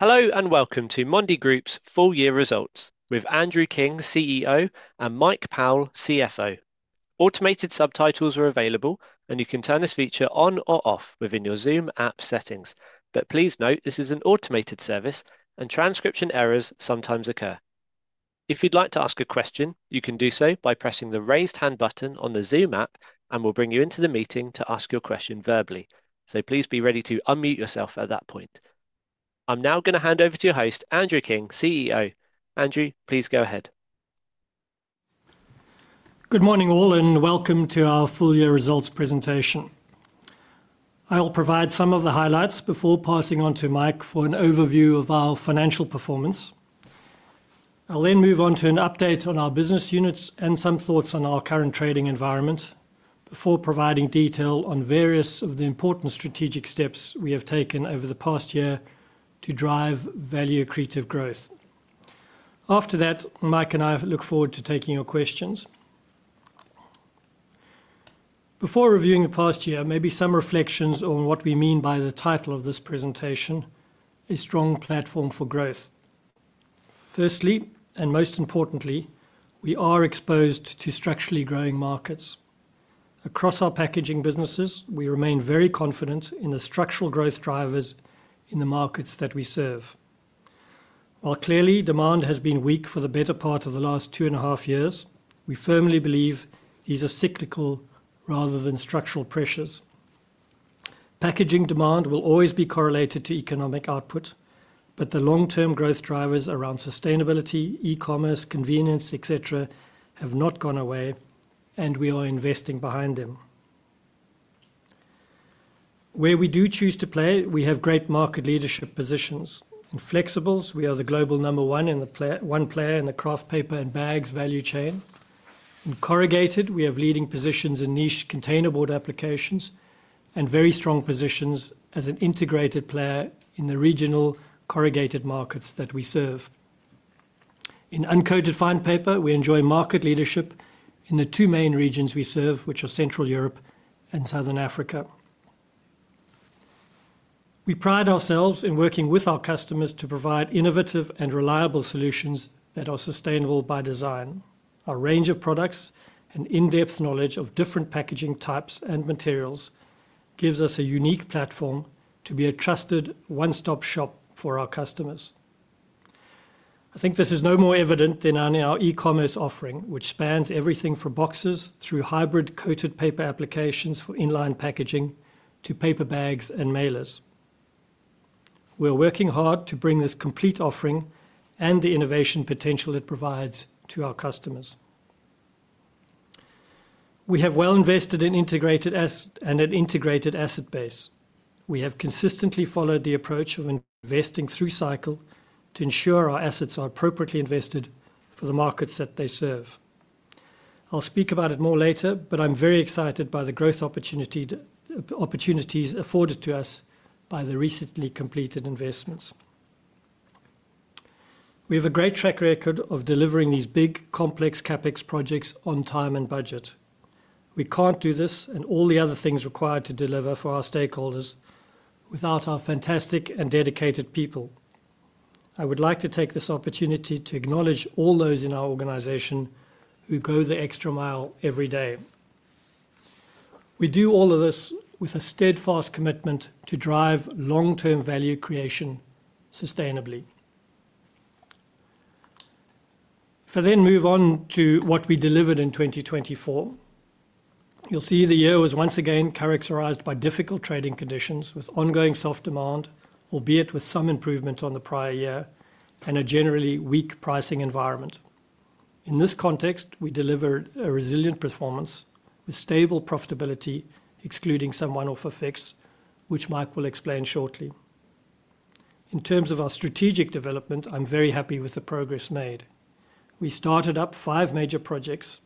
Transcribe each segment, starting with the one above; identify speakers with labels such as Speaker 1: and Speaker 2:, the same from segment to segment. Speaker 1: Hello and welcome to Mondi Group's Full Year Results, with Andrew King, CEO, and Mike Powell, CFO. Automated subtitles are available, and you can turn this feature on or off within your Zoom app settings. But please note this is an automated service, and transcription errors sometimes occur. If you'd like to ask a question, you can do so by pressing the raised hand button on the Zoom app, and we'll bring you into the meeting to ask your question verbally. So please be ready to unmute yourself at that point. I'm now going to hand over to your host, Andrew King, CEO. Andrew, please go ahead.
Speaker 2: Good morning, all, and welcome to our Full Year Results Presentation. I'll provide some of the highlights before passing on to Mike for an overview of our financial performance. I'll then move on to an update on our business units and some thoughts on our current trading environment before providing detail on various of the important strategic steps we have taken over the past year to drive value-accretive growth. After that, Mike and I look forward to taking your questions. Before reviewing the past year, maybe some reflections on what we mean by the title of this presentation: A Strong Platform for Growth. Firstly, and most importantly, we are exposed to structurally growing markets. Across our packaging businesses, we remain very confident in the structural growth drivers in the markets that we serve. While clearly demand has been weak for the better part of the last two and a half years, we firmly believe these are cyclical rather than structural pressures. Packaging demand will always be correlated to economic output, but the long-term growth drivers around sustainability, e-commerce, convenience, et cetera, have not gone away, and we are investing behind them. Where we do choose to play, we have great market leadership positions. In flexibles, we are the global number one player in the kraft paper and bags value chain. In corrugated, we have leading positions in niche containerboard applications and very strong positions as an integrated player in the regional corrugated markets that we serve. In uncoated fine paper, we enjoy market leadership in the two main regions we serve, which are Central Europe and Southern Africa. We pride ourselves in working with our customers to provide innovative and reliable solutions that are sustainable by design. Our range of products and in-depth knowledge of different packaging types and materials gives us a unique platform to be a trusted one-stop shop for our customers. I think this is no more evident than our e-commerce offering, which spans everything from boxes through hybrid coated paper applications for inline packaging to paper bags and mailers. We're working hard to bring this complete offering and the innovation potential it provides to our customers. We have well invested in an integrated asset base. We have consistently followed the approach of investing through cycle to ensure our assets are appropriately invested for the markets that they serve. I'll speak about it more later, but I'm very excited by the growth opportunities afforded to us by the recently completed investments. We have a great track record of delivering these big, complex CapEx projects on time and budget. We can't do this and all the other things required to deliver for our stakeholders without our fantastic and dedicated people. I would like to take this opportunity to acknowledge all those in our organization who go the extra mile every day. We do all of this with a steadfast commitment to drive long-term value creation sustainably. If I then move on to what we delivered in 2024, you'll see the year was once again characterized by difficult trading conditions with ongoing soft demand, albeit with some improvement on the prior year, and a generally weak pricing environment. In this context, we delivered a resilient performance with stable profitability, excluding some one-off effects, which Mike will explain shortly. In terms of our strategic development, I'm very happy with the progress made. We started up five major projects.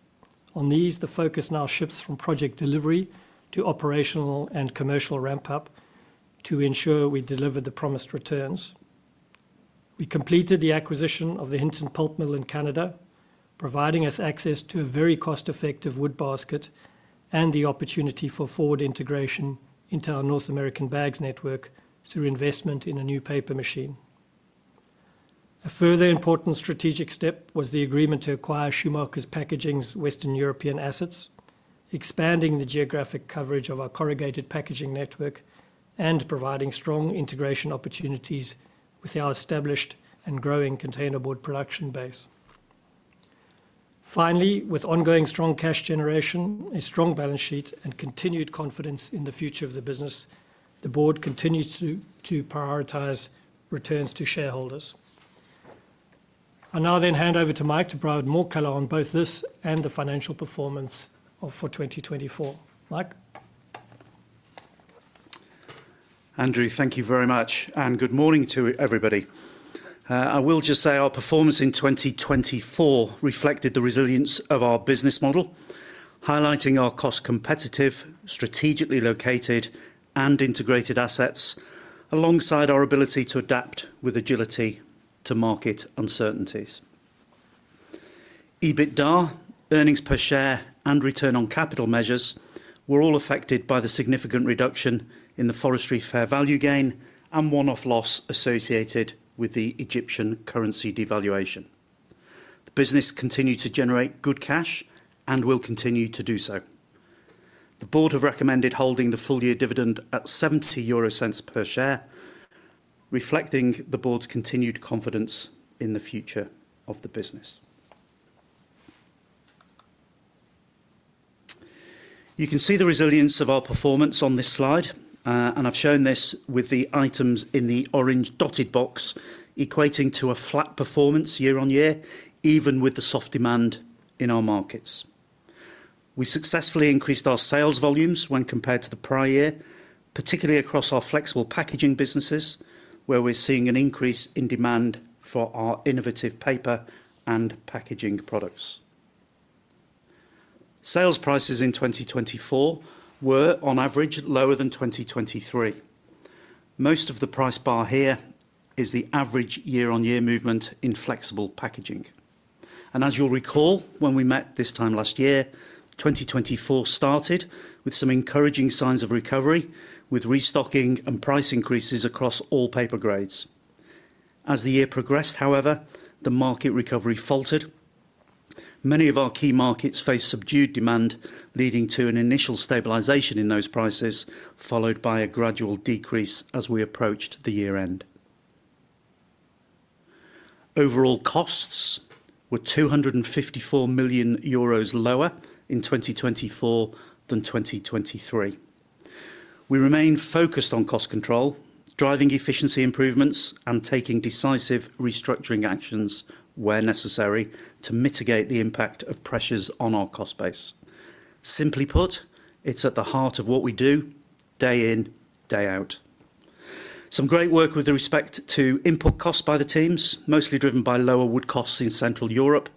Speaker 2: On these, the focus now shifts from project delivery to operational and commercial ramp-up to ensure we deliver the promised returns. We completed the acquisition of the Hinton Pulp Mill in Canada, providing us access to a very cost-effective wood basket and the opportunity for forward integration into our North American bags network through investment in a new paper machine. A further important strategic step was the agreement to acquire Schumacher Packaging's Western European assets, expanding the geographic coverage of our corrugated packaging network and providing strong integration opportunities with our established and growing containerboard production base. Finally, with ongoing strong cash generation, a strong balance sheet, and continued confidence in the future of the business, the board continues to prioritize returns to shareholders. I'll now then hand over to Mike to provide more color on both this and the financial performance for 2024. Mike.
Speaker 3: Andrew, thank you very much, and good morning to everybody. I will just say our performance in 2024 reflected the resilience of our business model, highlighting our cost-competitive, strategically located, and integrated assets alongside our ability to adapt with agility to market uncertainties. EBITDA, earnings per share, and return on capital measures were all affected by the significant reduction in the forestry fair value gain and one-off loss associated with the Egyptian currency devaluation. The business continued to generate good cash and will continue to do so. The board have recommended holding the full year dividend at 0.70 per share, reflecting the board's continued confidence in the future of the business. You can see the resilience of our performance on this slide, and I've shown this with the items in the orange dotted box equating to a flat performance year-on-year, even with the soft demand in our markets. We successfully increased our sales volumes when compared to the prior year, particularly across our flexible packaging businesses, where we're seeing an increase in demand for our innovative paper and packaging products. Sales prices in 2024 were, on average, lower than 2023. Most of the price bar here is the average year-on-year movement in flexible packaging. And as you'll recall, when we met this time last year, 2024 started with some encouraging signs of recovery, with restocking and price increases across all paper grades. As the year progressed, however, the market recovery faltered. Many of our key markets faced subdued demand, leading to an initial stabilization in those prices, followed by a gradual decrease as we approached the year-end. Overall costs were 254 million euros lower in 2024 than 2023. We remain focused on cost control, driving efficiency improvements, and taking decisive restructuring actions where necessary to mitigate the impact of pressures on our cost base. Simply put, it's at the heart of what we do, day in, day out. Some great work with respect to input costs by the teams, mostly driven by lower wood costs in Central Europe,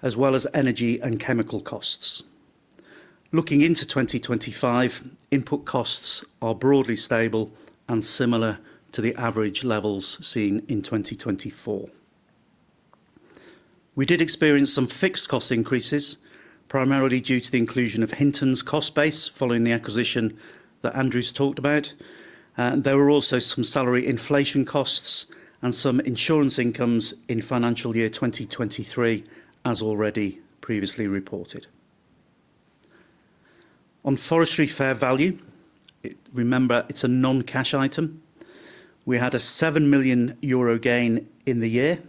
Speaker 3: as well as energy and chemical costs. Looking into 2025, input costs are broadly stable and similar to the average levels seen in 2024. We did experience some fixed cost increases, primarily due to the inclusion of Hinton's cost base following the acquisition that Andrew's talked about. There were also some salary inflation costs and some insurance incomes in financial year 2023, as already previously reported. On forestry fair value, remember, it's a non-cash item. We had a 7 million euro gain in the year.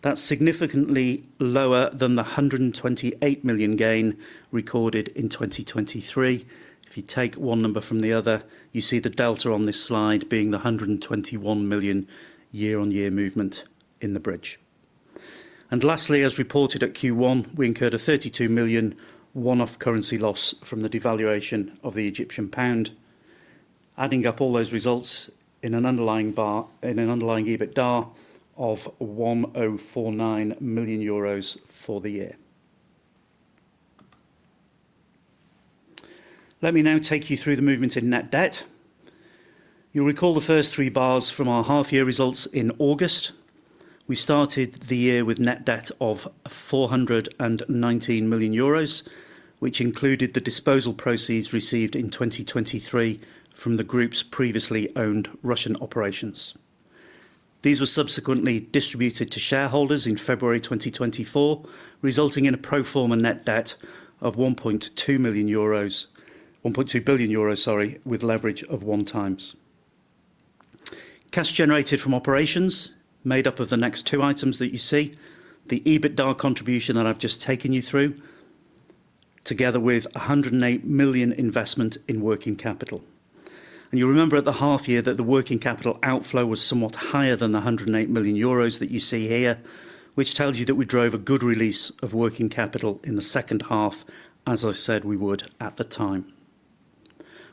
Speaker 3: That's significantly lower than the 128 million gain recorded in 2023. If you take one number from the other, you see the delta on this slide being the 121 million year-on-year movement in the bridge. And lastly, as reported at Q1, we incurred a 32 million one-off currency loss from the devaluation of the Egyptian pound, adding up all those results in an underlying EBITDA of 1,049 million euros for the year. Let me now take you through the movement in net debt. You'll recall the first three bars from our half-year results in August. We started the year with net debt of 419 million euros, which included the disposal proceeds received in 2023 from the group's previously owned Russian operations. These were subsequently distributed to shareholders in February 2024, resulting in a pro forma net debt of 1.2 billion euros, sorry, with leverage of one times. Cash generated from operations made up of the next two items that you see, the EBITDA contribution that I've just taken you through, together with 108 million investment in working capital. And you'll remember at the half-year that the working capital outflow was somewhat higher than the 108 million euros that you see here, which tells you that we drove a good release of working capital in the second half, as I said we would at the time.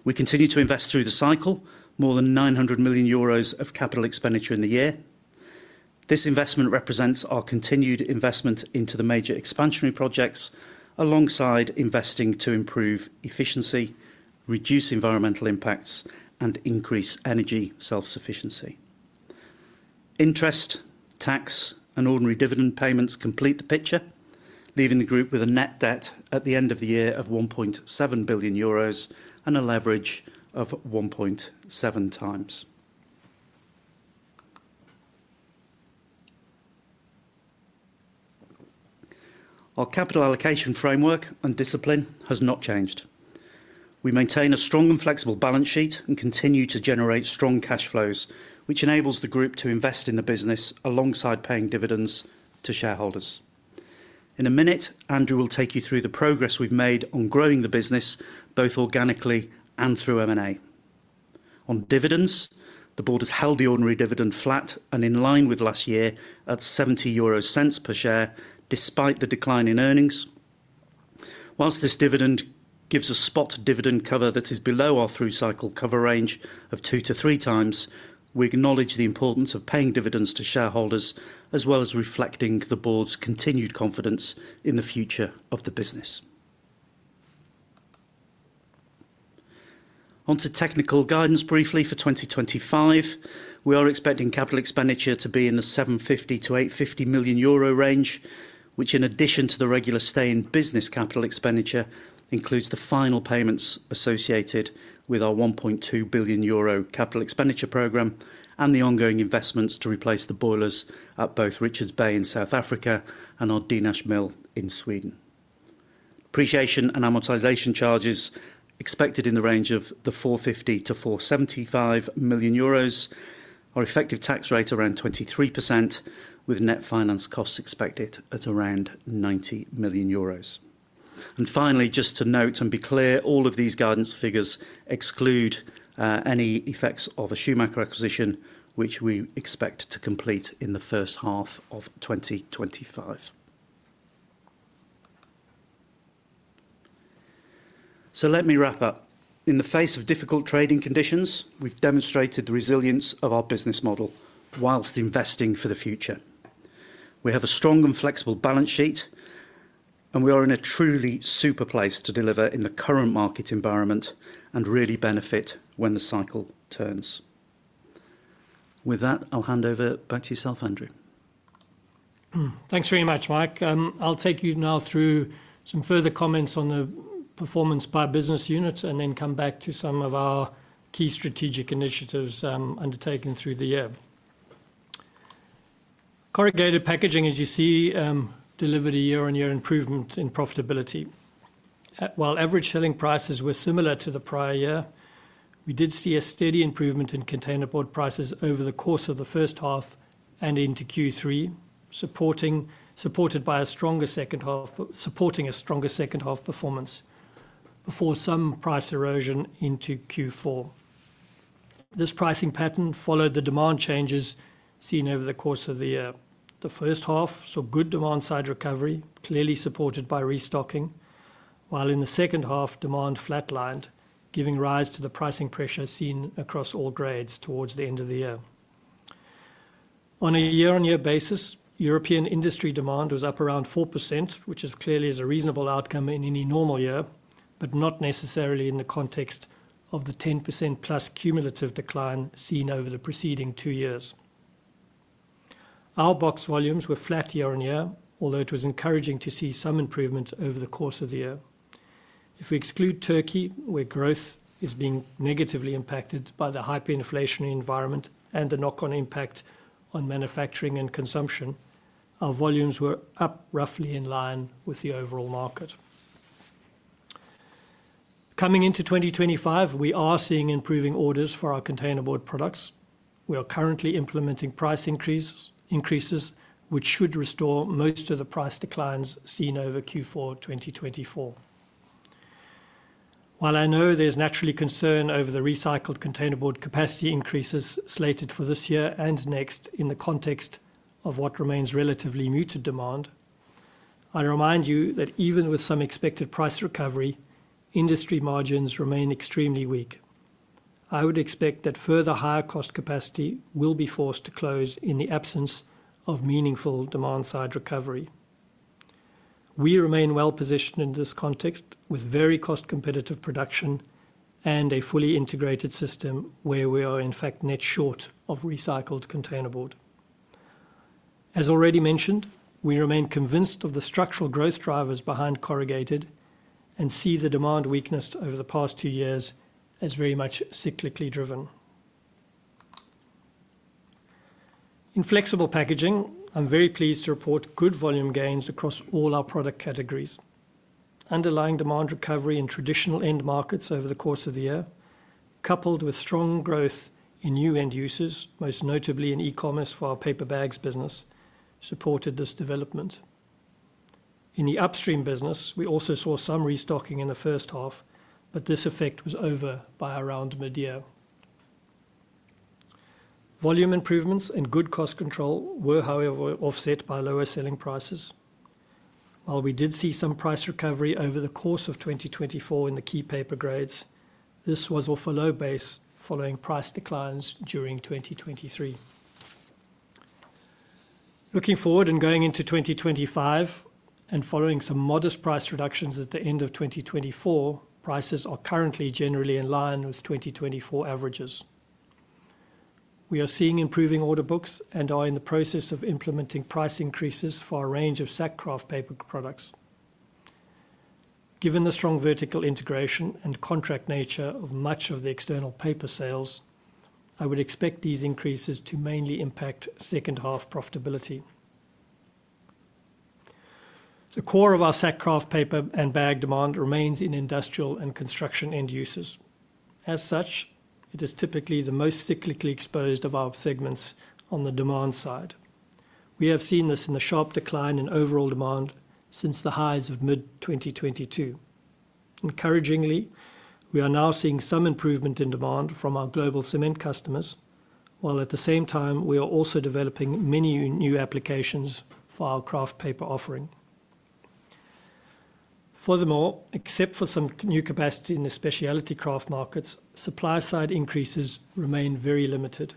Speaker 3: We continue to invest through the cycle, more than 900 million euros of capital expenditure in the year. This investment represents our continued investment into the major expansionary projects, alongside investing to improve efficiency, reduce environmental impacts, and increase energy self-sufficiency. Interest, tax, and ordinary dividend payments complete the picture, leaving the group with a net debt at the end of the year of 1.7 billion euros and a leverage of 1.7 times. Our capital allocation framework and discipline has not changed. We maintain a strong and flexible balance sheet and continue to generate strong cash flows, which enables the group to invest in the business alongside paying dividends to shareholders. In a minute, Andrew will take you through the progress we've made on growing the business, both organically and through M&A. On dividends, the board has held the ordinary dividend flat and in line with last year at 0.70 per share, despite the decline in earnings. Whilst this dividend gives a spot dividend cover that is below our through cycle cover range of two to three times, we acknowledge the importance of paying dividends to shareholders, as well as reflecting the board's continued confidence in the future of the business. Onto technical guidance briefly for 2025. We are expecting capital expenditure to be in the 750 million-850 million euro range, which, in addition to the regular stay-in-business capital expenditure, includes the final payments associated with our 1.2 billion euro capital expenditure program and the ongoing investments to replace the boilers at both Richards Bay in South Africa and our Dynäs Mill in Sweden. Depreciation and amortization charges expected in the range of the 450 million-475 million euros. Our effective tax rate around 23%, with net finance costs expected at around 90 million euros. And finally, just to note and be clear, all of these guidance figures exclude any effects of a Schumacher acquisition, which we expect to complete in the first half of 2025. So let me wrap up. In the face of difficult trading conditions, we've demonstrated the resilience of our business model whilst investing for the future. We have a strong and flexible balance sheet, and we are in a truly super place to deliver in the current market environment and really benefit when the cycle turns. With that, I'll hand over back to yourself, Andrew.
Speaker 2: Thanks very much, Mike. I'll take you now through some further comments on the performance by business units and then come back to some of our key strategic initiatives undertaken through the year. Corrugated packaging, as you see, delivered a year-on-year improvement in profitability. While average selling prices were similar to the prior year, we did see a steady improvement in containerboard prices over the course of the first half and into Q3, supported by a stronger second half performance before some price erosion into Q4. This pricing pattern followed the demand changes seen over the course of the year. The first half saw good demand-side recovery, clearly supported by restocking, while in the second half, demand flatlined, giving rise to the pricing pressure seen across all grades towards the end of the year. On a year-on-year basis, European industry demand was up around 4%, which clearly is a reasonable outcome in any normal year, but not necessarily in the context of the 10%+ cumulative decline seen over the preceding two years. Our box volumes were flat year-on-year, although it was encouraging to see some improvements over the course of the year. If we exclude Turkey, where growth is being negatively impacted by the hyperinflationary environment and the knock-on impact on manufacturing and consumption, our volumes were up roughly in line with the overall market. Coming into 2025, we are seeing improving orders for our containerboard products. We are currently implementing price increases, which should restore most of the price declines seen over Q4 2024. While I know there's naturally concern over the recycled containerboard capacity increases slated for this year and next in the context of what remains relatively muted demand, I remind you that even with some expected price recovery, industry margins remain extremely weak. I would expect that further higher cost capacity will be forced to close in the absence of meaningful demand-side recovery. We remain well positioned in this context with very cost-competitive production and a fully integrated system where we are in fact net short of recycled containerboard. As already mentioned, we remain convinced of the structural growth drivers behind corrugated and see the demand weakness over the past two years as very much cyclically driven. In flexible packaging, I'm very pleased to report good volume gains across all our product categories. Underlying demand recovery in traditional end markets over the course of the year, coupled with strong growth in new end users, most notably in e-commerce for our paper bags business, supported this development. In the upstream business, we also saw some restocking in the first half, but this effect was over by around mid-year. Volume improvements and good cost control were, however, offset by lower selling prices. While we did see some price recovery over the course of 2024 in the key paper grades, this was off a low base following price declines during 2023. Looking forward and going into 2025 and following some modest price reductions at the end of 2024, prices are currently generally in line with 2024 averages. We are seeing improving order books and are in the process of implementing price increases for a range of sack kraft paper products. Given the strong vertical integration and contract nature of much of the external paper sales, I would expect these increases to mainly impact second half profitability. The core of our sack kraft paper and bag demand remains in industrial and construction end users. As such, it is typically the most cyclically exposed of our segments on the demand side. We have seen this in the sharp decline in overall demand since the highs of mid-2022. Encouragingly, we are now seeing some improvement in demand from our global cement customers, while at the same time, we are also developing many new applications for our kraft paper offering. Furthermore, except for some new capacity in the specialty kraft markets, supply-side increases remain very limited.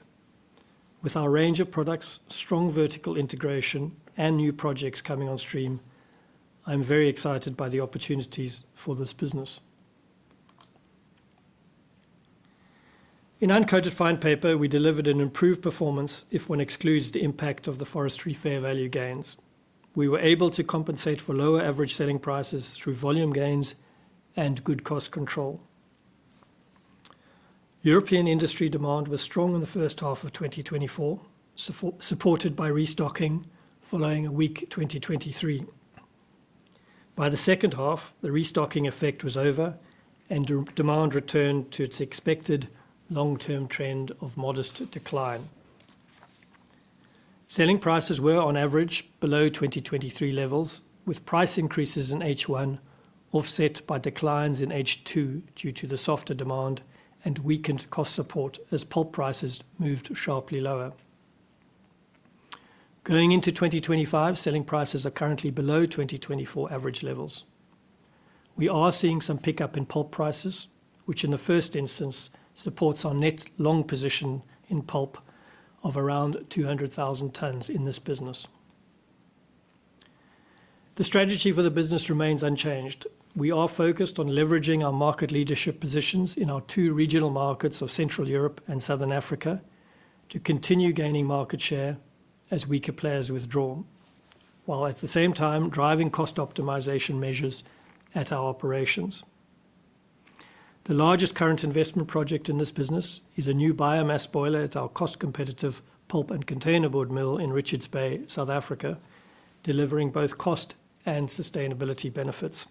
Speaker 2: With our range of products, strong vertical integration, and new projects coming on stream, I'm very excited by the opportunities for this business. In uncoated fine paper, we delivered an improved performance if one excludes the impact of the forestry fair value gains. We were able to compensate for lower average selling prices through volume gains and good cost control. European industry demand was strong in the first half of 2024, supported by restocking following a weak 2023. By the second half, the restocking effect was over, and demand returned to its expected long-term trend of modest decline. Selling prices were, on average, below 2023 levels, with price increases in H1 offset by declines in H2 due to the softer demand and weakened cost support as pulp prices moved sharply lower. Going into 2025, selling prices are currently below 2024 average levels. We are seeing some pickup in pulp prices, which in the first instance supports our net long position in pulp of around 200,000 tons in this business. The strategy for the business remains unchanged. We are focused on leveraging our market leadership positions in our two regional markets of Central Europe and Southern Africa to continue gaining market share as weaker players withdraw, while at the same time driving cost optimization measures at our operations. The largest current investment project in this business is a new biomass boiler at our cost-competitive pulp and containerboard mill in Richards Bay, South Africa, delivering both cost and sustainability benefits.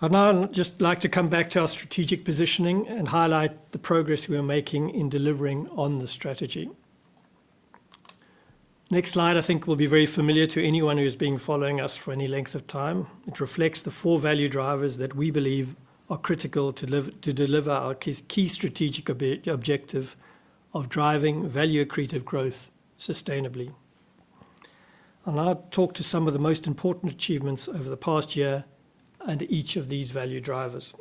Speaker 2: I'd now just like to come back to our strategic positioning and highlight the progress we are making in delivering on the strategy. Next slide, I think, will be very familiar to anyone who has been following us for any length of time. It reflects the four value drivers that we believe are critical to deliver our key strategic objective of driving value-accretive growth sustainably. I'll now talk to some of the most important achievements over the past year and each of these value drivers.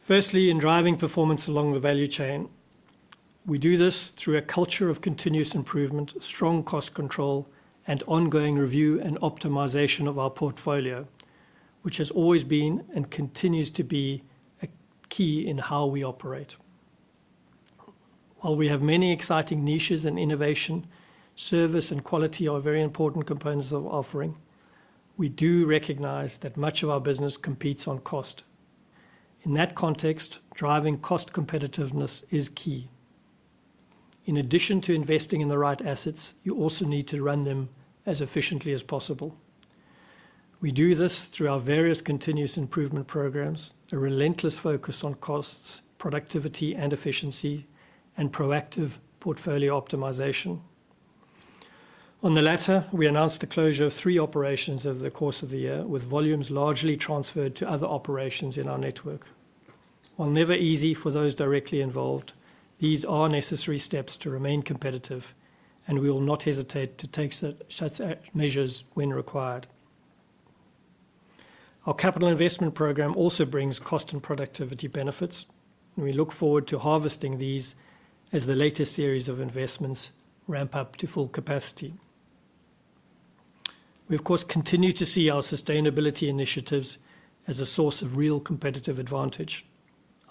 Speaker 2: Firstly, in driving performance along the value chain, we do this through a culture of continuous improvement, strong cost control, and ongoing review and optimization of our portfolio, which has always been and continues to be a key in how we operate. While we have many exciting niches and innovation, service and quality are very important components of offering. We do recognize that much of our business competes on cost. In that context, driving cost competitiveness is key. In addition to investing in the right assets, you also need to run them as efficiently as possible. We do this through our various continuous improvement programs, a relentless focus on costs, productivity and efficiency, and proactive portfolio optimization. On the latter, we announced the closure of three operations over the course of the year, with volumes largely transferred to other operations in our network. While never easy for those directly involved, these are necessary steps to remain competitive, and we will not hesitate to take such measures when required. Our capital investment program also brings cost and productivity benefits, and we look forward to harvesting these as the latest series of investments ramp up to full capacity. We, of course, continue to see our sustainability initiatives as a source of real competitive advantage.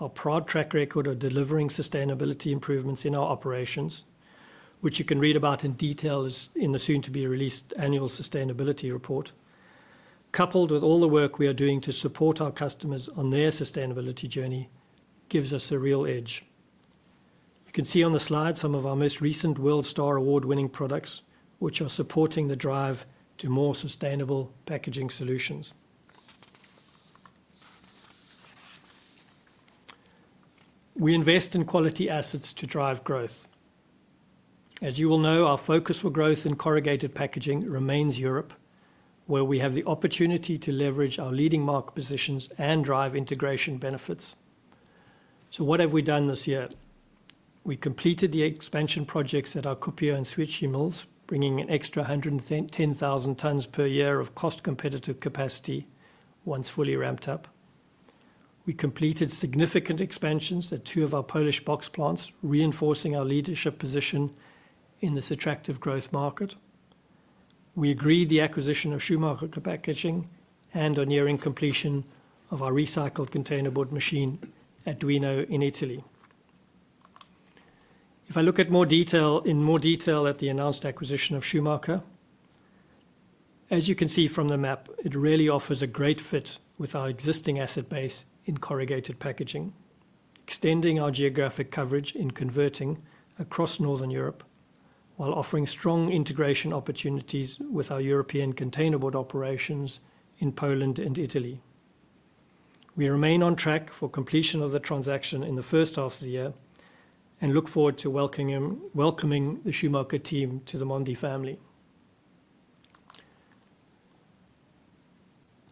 Speaker 2: Our proud track record of delivering sustainability improvements in our operations, which you can read about in detail in the soon-to-be-released annual sustainability report, coupled with all the work we are doing to support our customers on their sustainability journey, gives us a real edge. You can see on the slide some of our most recent WorldStar Award-winning products, which are supporting the drive to more sustainable packaging solutions. We invest in quality assets to drive growth. As you will know, our focus for growth in corrugated packaging remains Europe, where we have the opportunity to leverage our leading market positions and drive integration benefits. So what have we done this year? We completed the expansion projects at our Kuopio and Świecie mills, bringing an extra 110,000 tons per year of cost-competitive capacity once fully ramped up. We completed significant expansions at two of our Polish box plants, reinforcing our leadership position in this attractive growth market. We agreed the acquisition of Schumacher Packaging and on nearing completion of our recycled containerboard machine at Duino in Italy. If I look in more detail at the announced acquisition of Schumacher, as you can see from the map, it really offers a great fit with our existing asset base in corrugated packaging, extending our geographic coverage in converting across Northern Europe while offering strong integration opportunities with our European containerboard operations in Poland and Italy. We remain on track for completion of the transaction in the first half of the year and look forward to welcoming the Schumacher team to the Mondi family.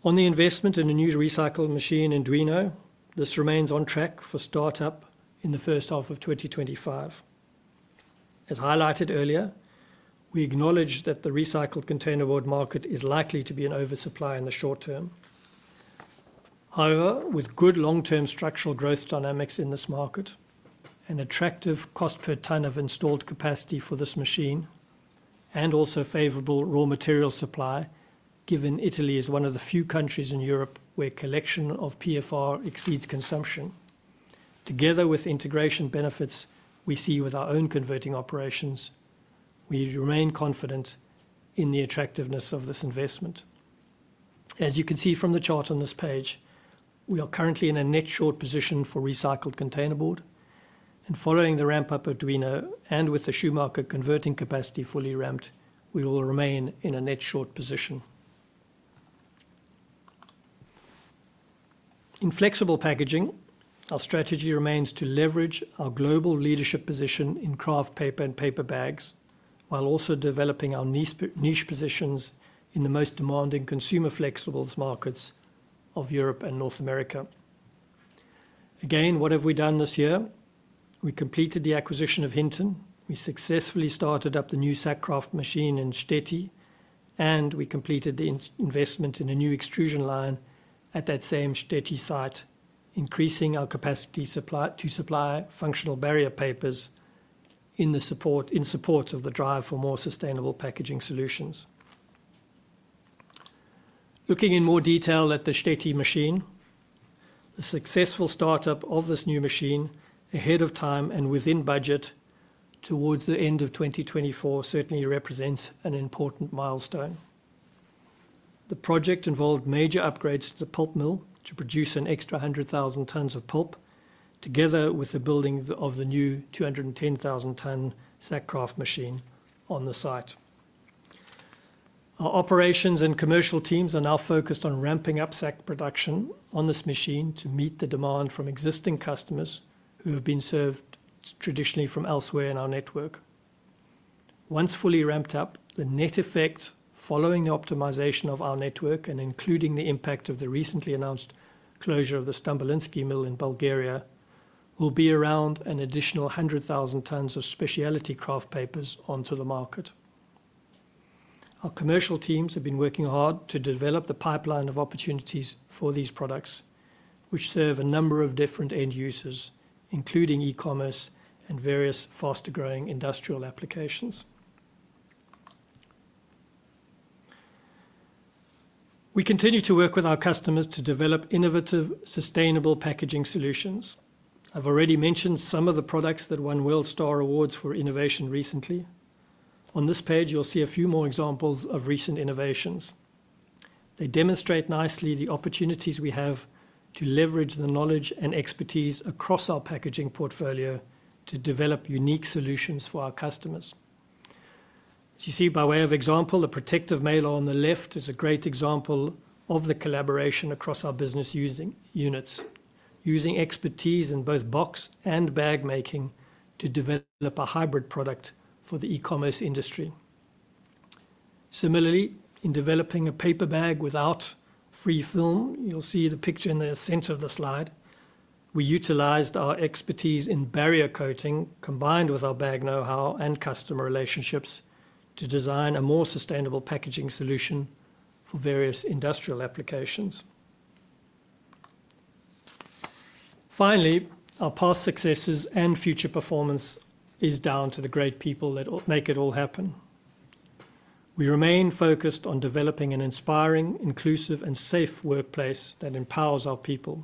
Speaker 2: On the investment in a new recycled machine in Duino, this remains on track for startup in the first half of 2025. As highlighted earlier, we acknowledge that the recycled containerboard market is likely to be in oversupply in the short term. However, with good long-term structural growth dynamics in this market and attractive cost per ton of installed capacity for this machine and also favorable raw material supply, given Italy is one of the few countries in Europe where collection of PFR exceeds consumption, together with integration benefits we see with our own converting operations, we remain confident in the attractiveness of this investment. As you can see from the chart on this page, we are currently in a net short position for recycled containerboard, and following the ramp-up at Duino and with the Schumacher converting capacity fully ramped, we will remain in a net short position. In flexible packaging, our strategy remains to leverage our global leadership position in kraft paper and paper bags while also developing our niche positions in the most demanding consumer flexible markets of Europe and North America. Again, what have we done this year? We completed the acquisition of Hinton. We successfully started up the new sack kraft machine in Štětí, and we completed the investment in a new extrusion line at that same Štětí site, increasing our capacity to supply functional barrier papers in support of the drive for more sustainable packaging solutions. Looking in more detail at the Štětí machine, the successful startup of this new machine ahead of time and within budget towards the end of 2024 certainly represents an important milestone. The project involved major upgrades to the pulp mill to produce an extra 100,000 tons of pulp, together with the building of the new 210,000-ton sack kraft machine on the site. Our operations and commercial teams are now focused on ramping up sack kraft production on this machine to meet the demand from existing customers who have been served traditionally from elsewhere in our network. Once fully ramped up, the net effect following the optimization of our network and including the impact of the recently announced closure of the Stambolijski mill in Bulgaria will be around an additional 100,000 tons of specialty kraft papers onto the market. Our commercial teams have been working hard to develop the pipeline of opportunities for these products, which serve a number of different end users, including e-commerce and various faster-growing industrial applications. We continue to work with our customers to develop innovative sustainable packaging solutions. I've already mentioned some of the products that won WorldStar Awards for innovation recently. On this page, you'll see a few more examples of recent innovations. They demonstrate nicely the opportunities we have to leverage the knowledge and expertise across our packaging portfolio to develop unique solutions for our customers. As you see, by way of example, the protective mailer on the left is a great example of the collaboration across our business units, using expertise in both box and bag making to develop a hybrid product for the e-commerce industry. Similarly, in developing a paper bag without free film, you'll see the picture in the center of the slide. We utilized our expertise in barrier coating combined with our bag know-how and customer relationships to design a more sustainable packaging solution for various industrial applications. Finally, our past successes and future performance is down to the great people that make it all happen. We remain focused on developing an inspiring, inclusive, and safe workplace that empowers our people.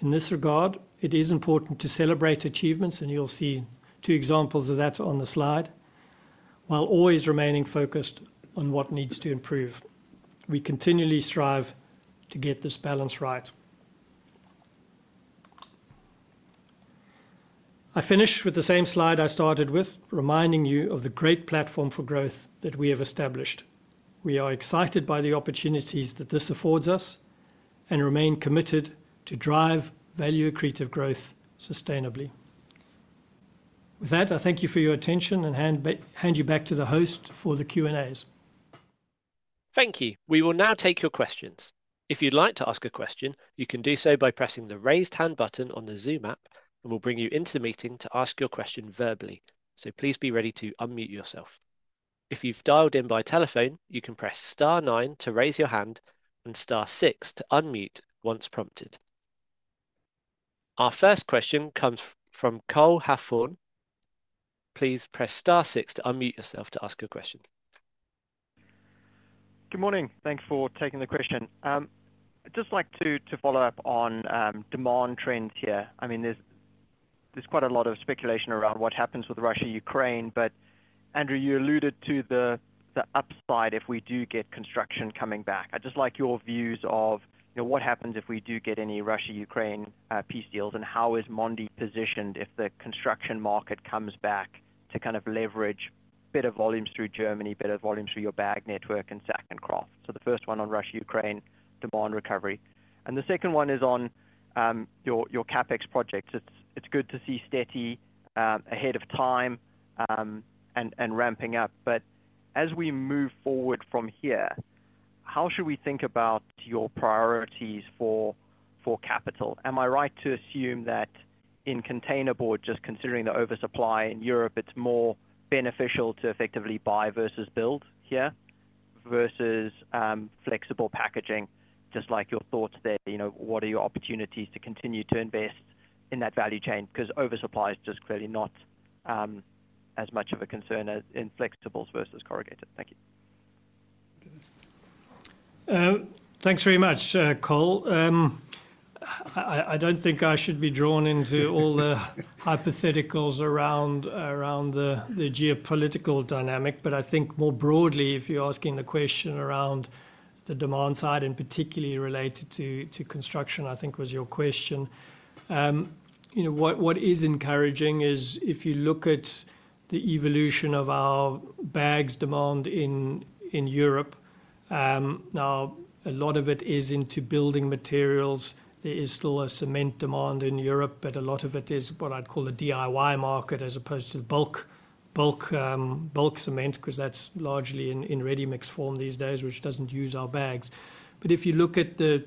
Speaker 2: In this regard, it is important to celebrate achievements, and you'll see two examples of that on the slide. While always remaining focused on what needs to improve, we continually strive to get this balance right. I finish with the same slide I started with, reminding you of the great platform for growth that we have established. We are excited by the opportunities that this affords us and remain committed to drive value-accretive growth sustainably. With that, I thank you for your attention and hand you back to the host for the Q&As.
Speaker 1: Thank you. We will now take your questions. If you'd like to ask a question, you can do so by pressing the raised hand button on the Zoom app, and we'll bring you into the meeting to ask your question verbally. So please be ready to unmute yourself. If you've dialed in by telephone, you can press star nine to raise your hand and star six to unmute once prompted. Our first question comes from Cole Hathorn. Please press star six to unmute yourself to ask your question.
Speaker 4: Good morning. Thanks for taking the question. I'd just like to follow up on demand trends here. I mean, there's quite a lot of speculation around what happens with Russia-Ukraine, but Andrew, you alluded to the upside if we do get construction coming back. I'd just like your views of what happens if we do get any Russia-Ukraine peace deals and how is Mondi positioned if the construction market comes back to kind of leverage a bit of volumes through Germany, a bit of volumes through your bag network and sack kraft. So the first one on Russia-Ukraine demand recovery. And the second one is on your CapEx projects. It's good to see Štětí ahead of time and ramping up. But as we move forward from here, how should we think about your priorities for capital? Am I right to assume that in containerboard, just considering the oversupply in Europe, it's more beneficial to effectively buy versus build here versus flexible packaging? Just like your thoughts there, what are your opportunities to continue to invest in that value chain? Because oversupply is just clearly not as much of a concern in flexibles versus corrugated. Thank you.
Speaker 2: Thanks very much, Cole. I don't think I should be drawn into all the hypotheticals around the geopolitical dynamic, but I think more broadly, if you're asking the question around the demand side, and particularly related to construction, I think was your question, what is encouraging is if you look at the evolution of our bags demand in Europe. Now, a lot of it is into building materials. There is still a cement demand in Europe, but a lot of it is what I'd call a DIY market as opposed to bulk cement because that's largely in ready-mix form these days, which doesn't use our bags, but if you look at the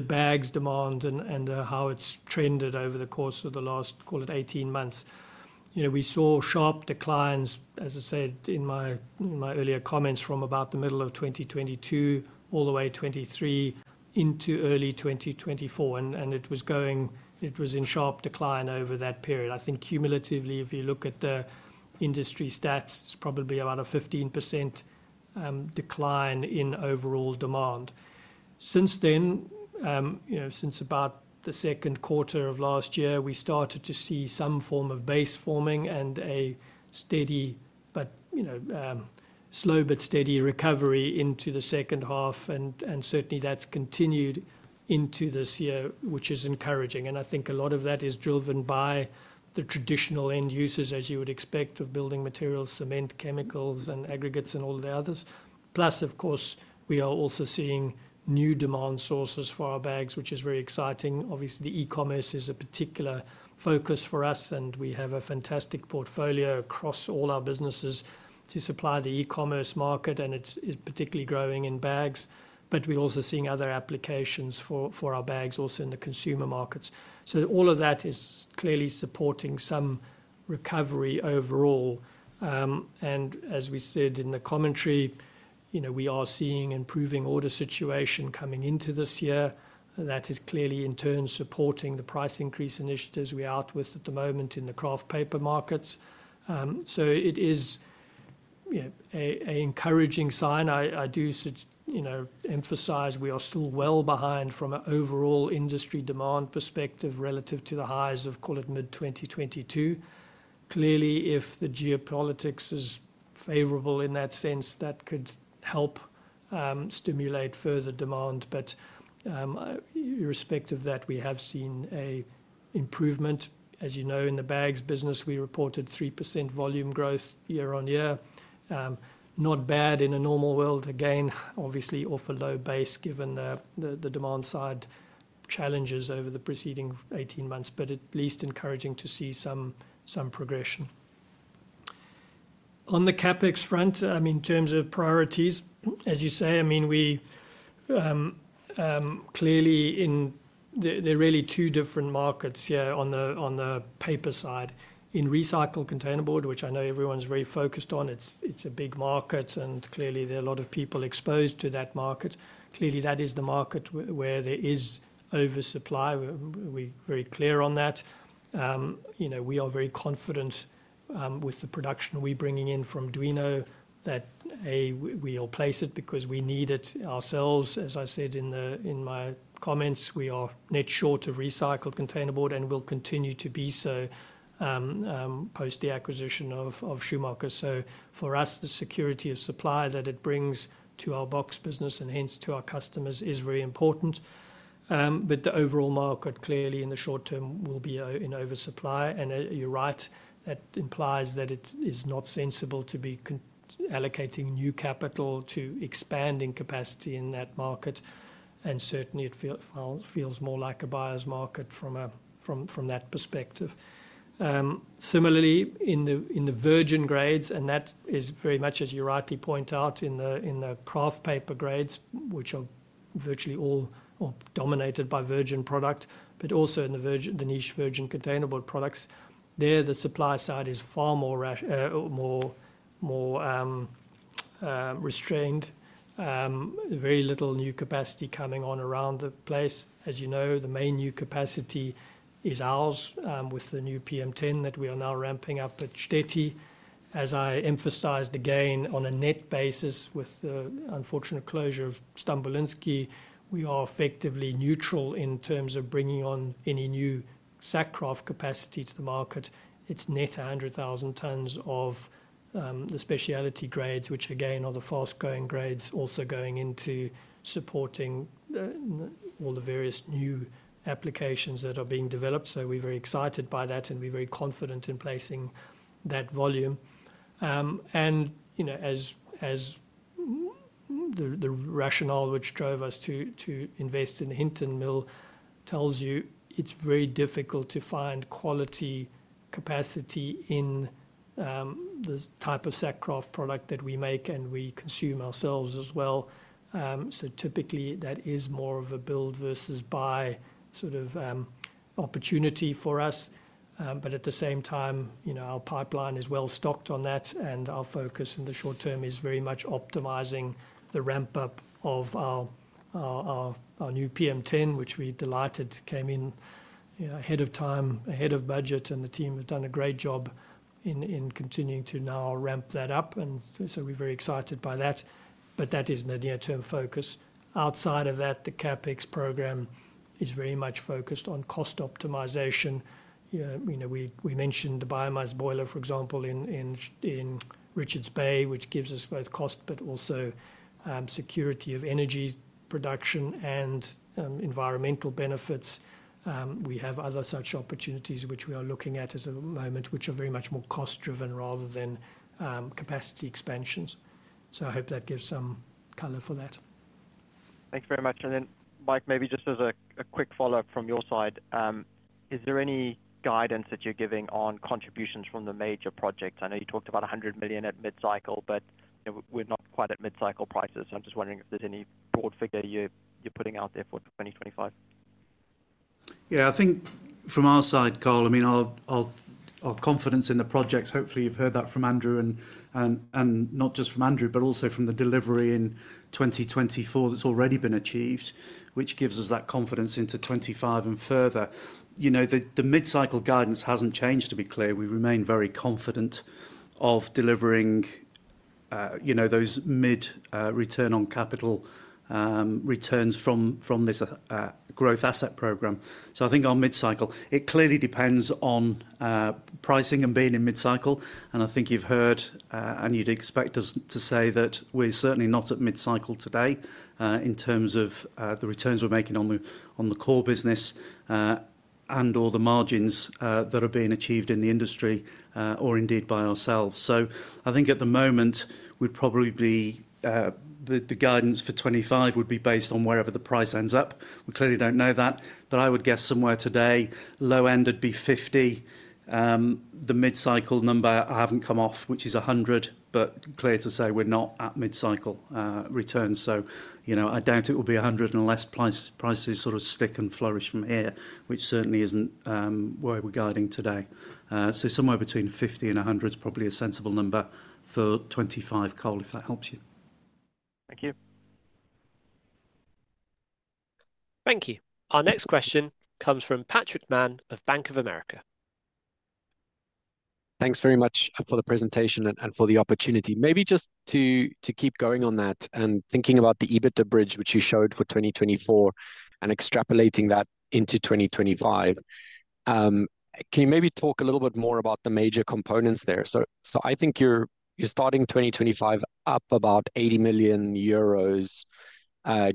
Speaker 2: bags demand and how it's trended over the course of the last, call it, 18 months, we saw sharp declines, as I said in my earlier comments, from about the middle of 2022 all the way to 2023 into early 2024, and it was in sharp decline over that period. I think cumulatively, if you look at the industry stats, it's probably about a 15% decline in overall demand. Since then, since about the second quarter of last year, we started to see some form of base forming and a steady, but slow, but steady recovery into the second half. And certainly, that's continued into this year, which is encouraging. And I think a lot of that is driven by the traditional end users, as you would expect, of building materials, cement, chemicals, and aggregates, and all the others. Plus, of course, we are also seeing new demand sources for our bags, which is very exciting. Obviously, the e-commerce is a particular focus for us, and we have a fantastic portfolio across all our businesses to supply the e-commerce market, and it's particularly growing in bags. But we're also seeing other applications for our bags also in the consumer markets. So all of that is clearly supporting some recovery overall. And as we said in the commentary, we are seeing improving order situation coming into this year. That is clearly, in turn, supporting the price increase initiatives we are out with at the moment in the kraft paper markets. So it is an encouraging sign. I do emphasize we are still well behind from an overall industry demand perspective relative to the highs of, call it, mid-2022. Clearly, if the geopolitics is favorable in that sense, that could help stimulate further demand. But irrespective of that, we have seen an improvement. As you know, in the bags business, we reported 3% volume growth year-on-year. Not bad in a normal world to gain, obviously, off a low base given the demand side challenges over the preceding 18 months, but at least encouraging to see some progression. On the CapEx front, I mean, in terms of priorities, as you say, I mean, clearly, there are really two different markets here on the paper side. In recycled containerboard, which I know everyone's very focused on, it's a big market, and clearly, there are a lot of people exposed to that market. Clearly, that is the market where there is oversupply. We're very clear on that. We are very confident with the production we're bringing in from Duino that, A, we'll place it because we need it ourselves. As I said in my comments, we are net short of recycled containerboard, and we'll continue to be so post the acquisition of Schumacher. So for us, the security of supply that it brings to our box business and hence to our customers is very important. But the overall market, clearly, in the short term, will be in oversupply, and you're right, that implies that it is not sensible to be allocating new capital to expanding capacity in that market. And certainly, it feels more like a buyer's market from that perspective. Similarly, in the virgin grades, and that is very much, as you rightly point out, in the kraft paper grades, which are virtually all dominated by virgin product, but also in the niche virgin containerboard products, there, the supply side is far more restrained. Very little new capacity coming on around the place. As you know, the main new capacity is ours with the new PM10 that we are now ramping up at Štětí. As I emphasized, again, on a net basis with the unfortunate closure of Stambolijski, we are effectively neutral in terms of bringing on any new sack kraft capacity to the market. It's net 100,000 tons of the specialty grades, which, again, are the fast-growing grades also going into supporting all the various new applications that are being developed. So we're very excited by that, and we're very confident in placing that volume. And as the rationale which drove us to invest in the Hinton mill tells you, it's very difficult to find quality capacity in the type of sack kraft product that we make and we consume ourselves as well. So typically, that is more of a build versus buy sort of opportunity for us. But at the same time, our pipeline is well stocked on that, and our focus in the short term is very much optimizing the ramp-up of our new PM10, which we're delighted came in ahead of time, ahead of budget, and the team have done a great job in continuing to now ramp that up. And so we're very excited by that. But that isn't a near-term focus. Outside of that, the CapEx program is very much focused on cost optimization. We mentioned the biomass boiler, for example, in Richards Bay, which gives us both cost but also security of energy production and environmental benefits. We have other such opportunities which we are looking at at the moment, which are very much more cost-driven rather than capacity expansions. So I hope that gives some color for that.
Speaker 4: Thank you very much. And then, Mike, maybe just as a quick follow-up from your side, is there any guidance that you're giving on contributions from the major projects? I know you talked about 100 million at mid-cycle, but we're not quite at mid-cycle prices. I'm just wondering if there's any broad figure you're putting out there for 2025.
Speaker 3: Yeah, I think from our side, Cole, I mean, our confidence in the projects, hopefully, you've heard that from Andrew, and not just from Andrew, but also from the delivery in 2024 that's already been achieved, which gives us that confidence into 2025 and further. The mid-cycle guidance hasn't changed, to be clear. We remain very confident of delivering those mid-return on capital returns from this growth asset program. So I think our mid-cycle, it clearly depends on pricing and being in mid-cycle, and I think you've heard, and you'd expect us to say that we're certainly not at mid-cycle today in terms of the returns we're making on the core business and/or the margins that are being achieved in the industry or indeed by ourselves. So I think at the moment, we'd probably be the guidance for 2025 would be based on wherever the price ends up. We clearly don't know that. But I would guess somewhere today low end would be 50. The mid-cycle number, I haven't come off, which is 100, but it's clear to say we're not at mid-cycle returns. So I doubt it will be 100 unless prices sort of stick and flourish from here, which certainly isn't where we're guiding today. So somewhere between 50 and 100 is probably a sensible number for 2025, Cole, if that helps you.
Speaker 4: Thank you.
Speaker 1: Thank you. Our next question comes from Patrick Mann of Bank of America.
Speaker 5: Thanks very much for the presentation and for the opportunity. Maybe just to keep going on that and thinking about the EBITDA bridge, which you showed for 2024 and extrapolating that into 2025, can you maybe talk a little bit more about the major components there? So I think you're starting 2025 up about 80 million euros,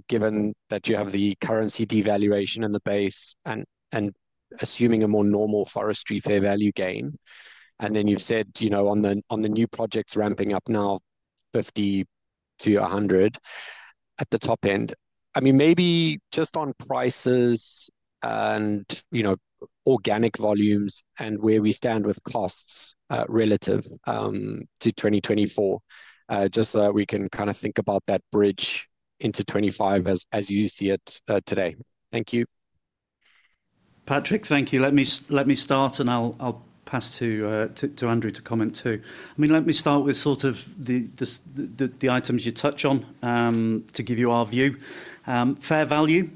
Speaker 5: given that you have the currency devaluation in the base and assuming a more normal forestry fair value gain. And then you've said on the new projects ramping up now, 50-100 at the top end. I mean, maybe just on prices and organic volumes and where we stand with costs relative to 2024, just so that we can kind of think about that bridge into 2025 as you see it today. Thank you.
Speaker 3: Patrick, thank you. Let me start, and I'll pass to Andrew to comment too. I mean, let me start with sort of the items you touch on to give you our view. Fair value,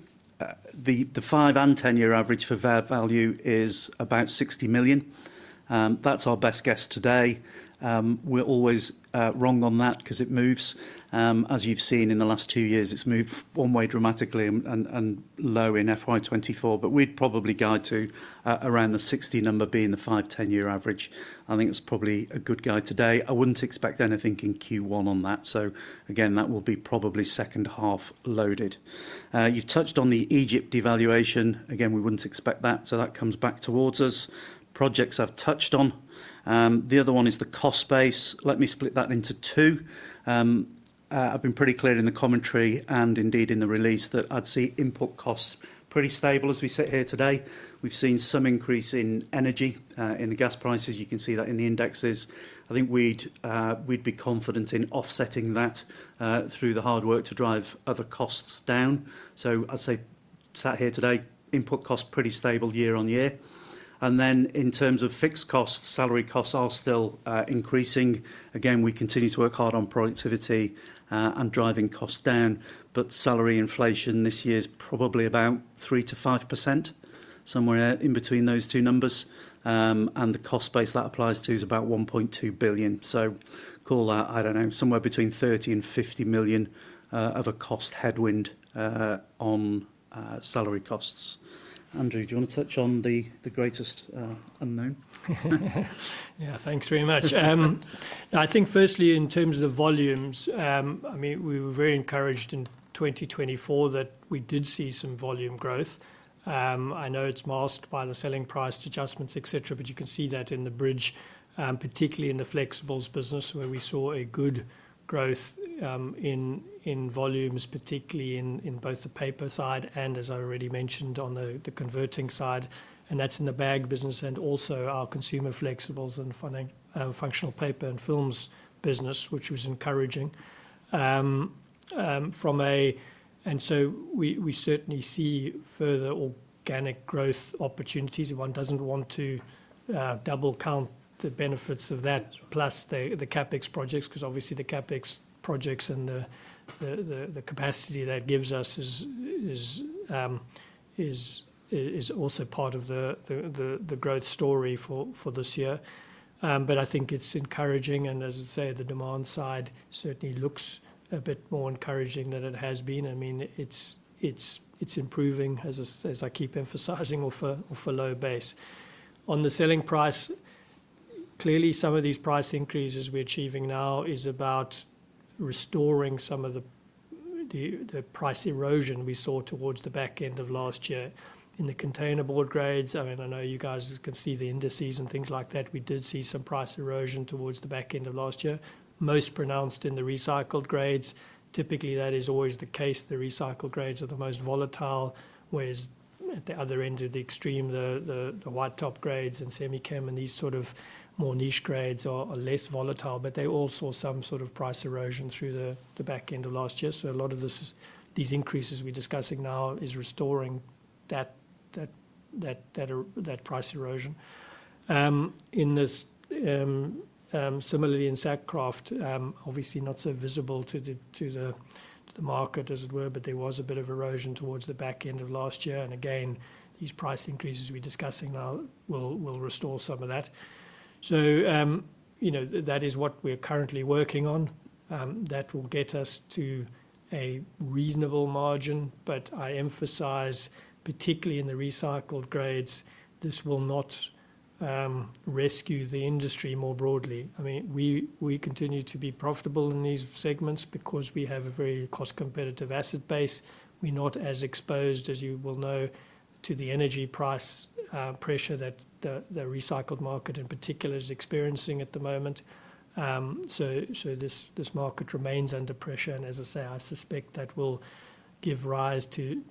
Speaker 3: the five and 10-year average for fair value is about 60 million. That's our best guess today. We're always wrong on that because it moves. As you've seen in the last two years, it's moved one way dramatically and low in FY24, but we'd probably guide to around the 60 number being the five-to-ten-year average. I think it's probably a good guide today. I wouldn't expect anything in Q1 on that. So again, that will be probably second half loaded. You've touched on the Egypt devaluation. Again, we wouldn't expect that. So that comes back towards us. Projects I've touched on. The other one is the cost base. Let me split that into two. I've been pretty clear in the commentary and indeed in the release that I'd see input costs pretty stable as we sit here today. We've seen some increase in energy in the gas prices. You can see that in the indexes. I think we'd be confident in offsetting that through the hard work to drive other costs down. So I'd say sitting here today, input costs pretty stable year-on-year. And then in terms of fixed costs, salary costs are still increasing. Again, we continue to work hard on productivity and driving costs down, but salary inflation this year is probably about 3%-5%, somewhere in between those two numbers. And the cost base that applies to is about 1.2 billion. So call that, I don't know, somewhere between 30million-50 million of a cost headwind on salary costs. Andrew, do you want to touch on the greatest unknown?
Speaker 2: Yeah, thanks very much. I think firstly, in terms of the volumes, I mean, we were very encouraged in 2024 that we did see some volume growth. I know it's masked by the selling price adjustments, etc., but you can see that in the bridge, particularly in the flexibles business, where we saw a good growth in volumes, particularly in both the paper side and, as I already mentioned, on the converting side, and that's in the bag business and also our consumer flexibles and functional paper and films business, which was encouraging, and so we certainly see further organic growth opportunities. One doesn't want to double count the benefits of that, plus the CapEx projects, because obviously the CapEx projects and the capacity that gives us is also part of the growth story for this year, but I think it's encouraging, and as I say, the demand side certainly looks a bit more encouraging than it has been. I mean, it's improving, as I keep emphasizing, off a low base. On the selling price, clearly, some of these price increases we're achieving now is about restoring some of the price erosion we saw towards the back end of last year. In the containerboard grades, I mean, I know you guys can see the indices and things like that. We did see some price erosion towards the back end of last year, most pronounced in the recycled grades. Typically, that is always the case. The recycled grades are the most volatile, whereas at the other end of the extreme, the white top grades and semi-chem and these sort of more niche grades are less volatile, but they all saw some sort of price erosion through the back end of last year. So a lot of these increases we're discussing now is restoring that price erosion. Similarly, in sack kraft, obviously not so visible to the market, as it were, but there was a bit of erosion towards the back end of last year, and again, these price increases we're discussing now will restore some of that, so that is what we're currently working on. That will get us to a reasonable margin, but I emphasize, particularly in the recycled grades, this will not rescue the industry more broadly. I mean, we continue to be profitable in these segments because we have a very cost-competitive asset base. We're not as exposed, as you will know, to the energy price pressure that the recycled market, in particular, is experiencing at the moment, so this market remains under pressure. As I say, I suspect that will give rise to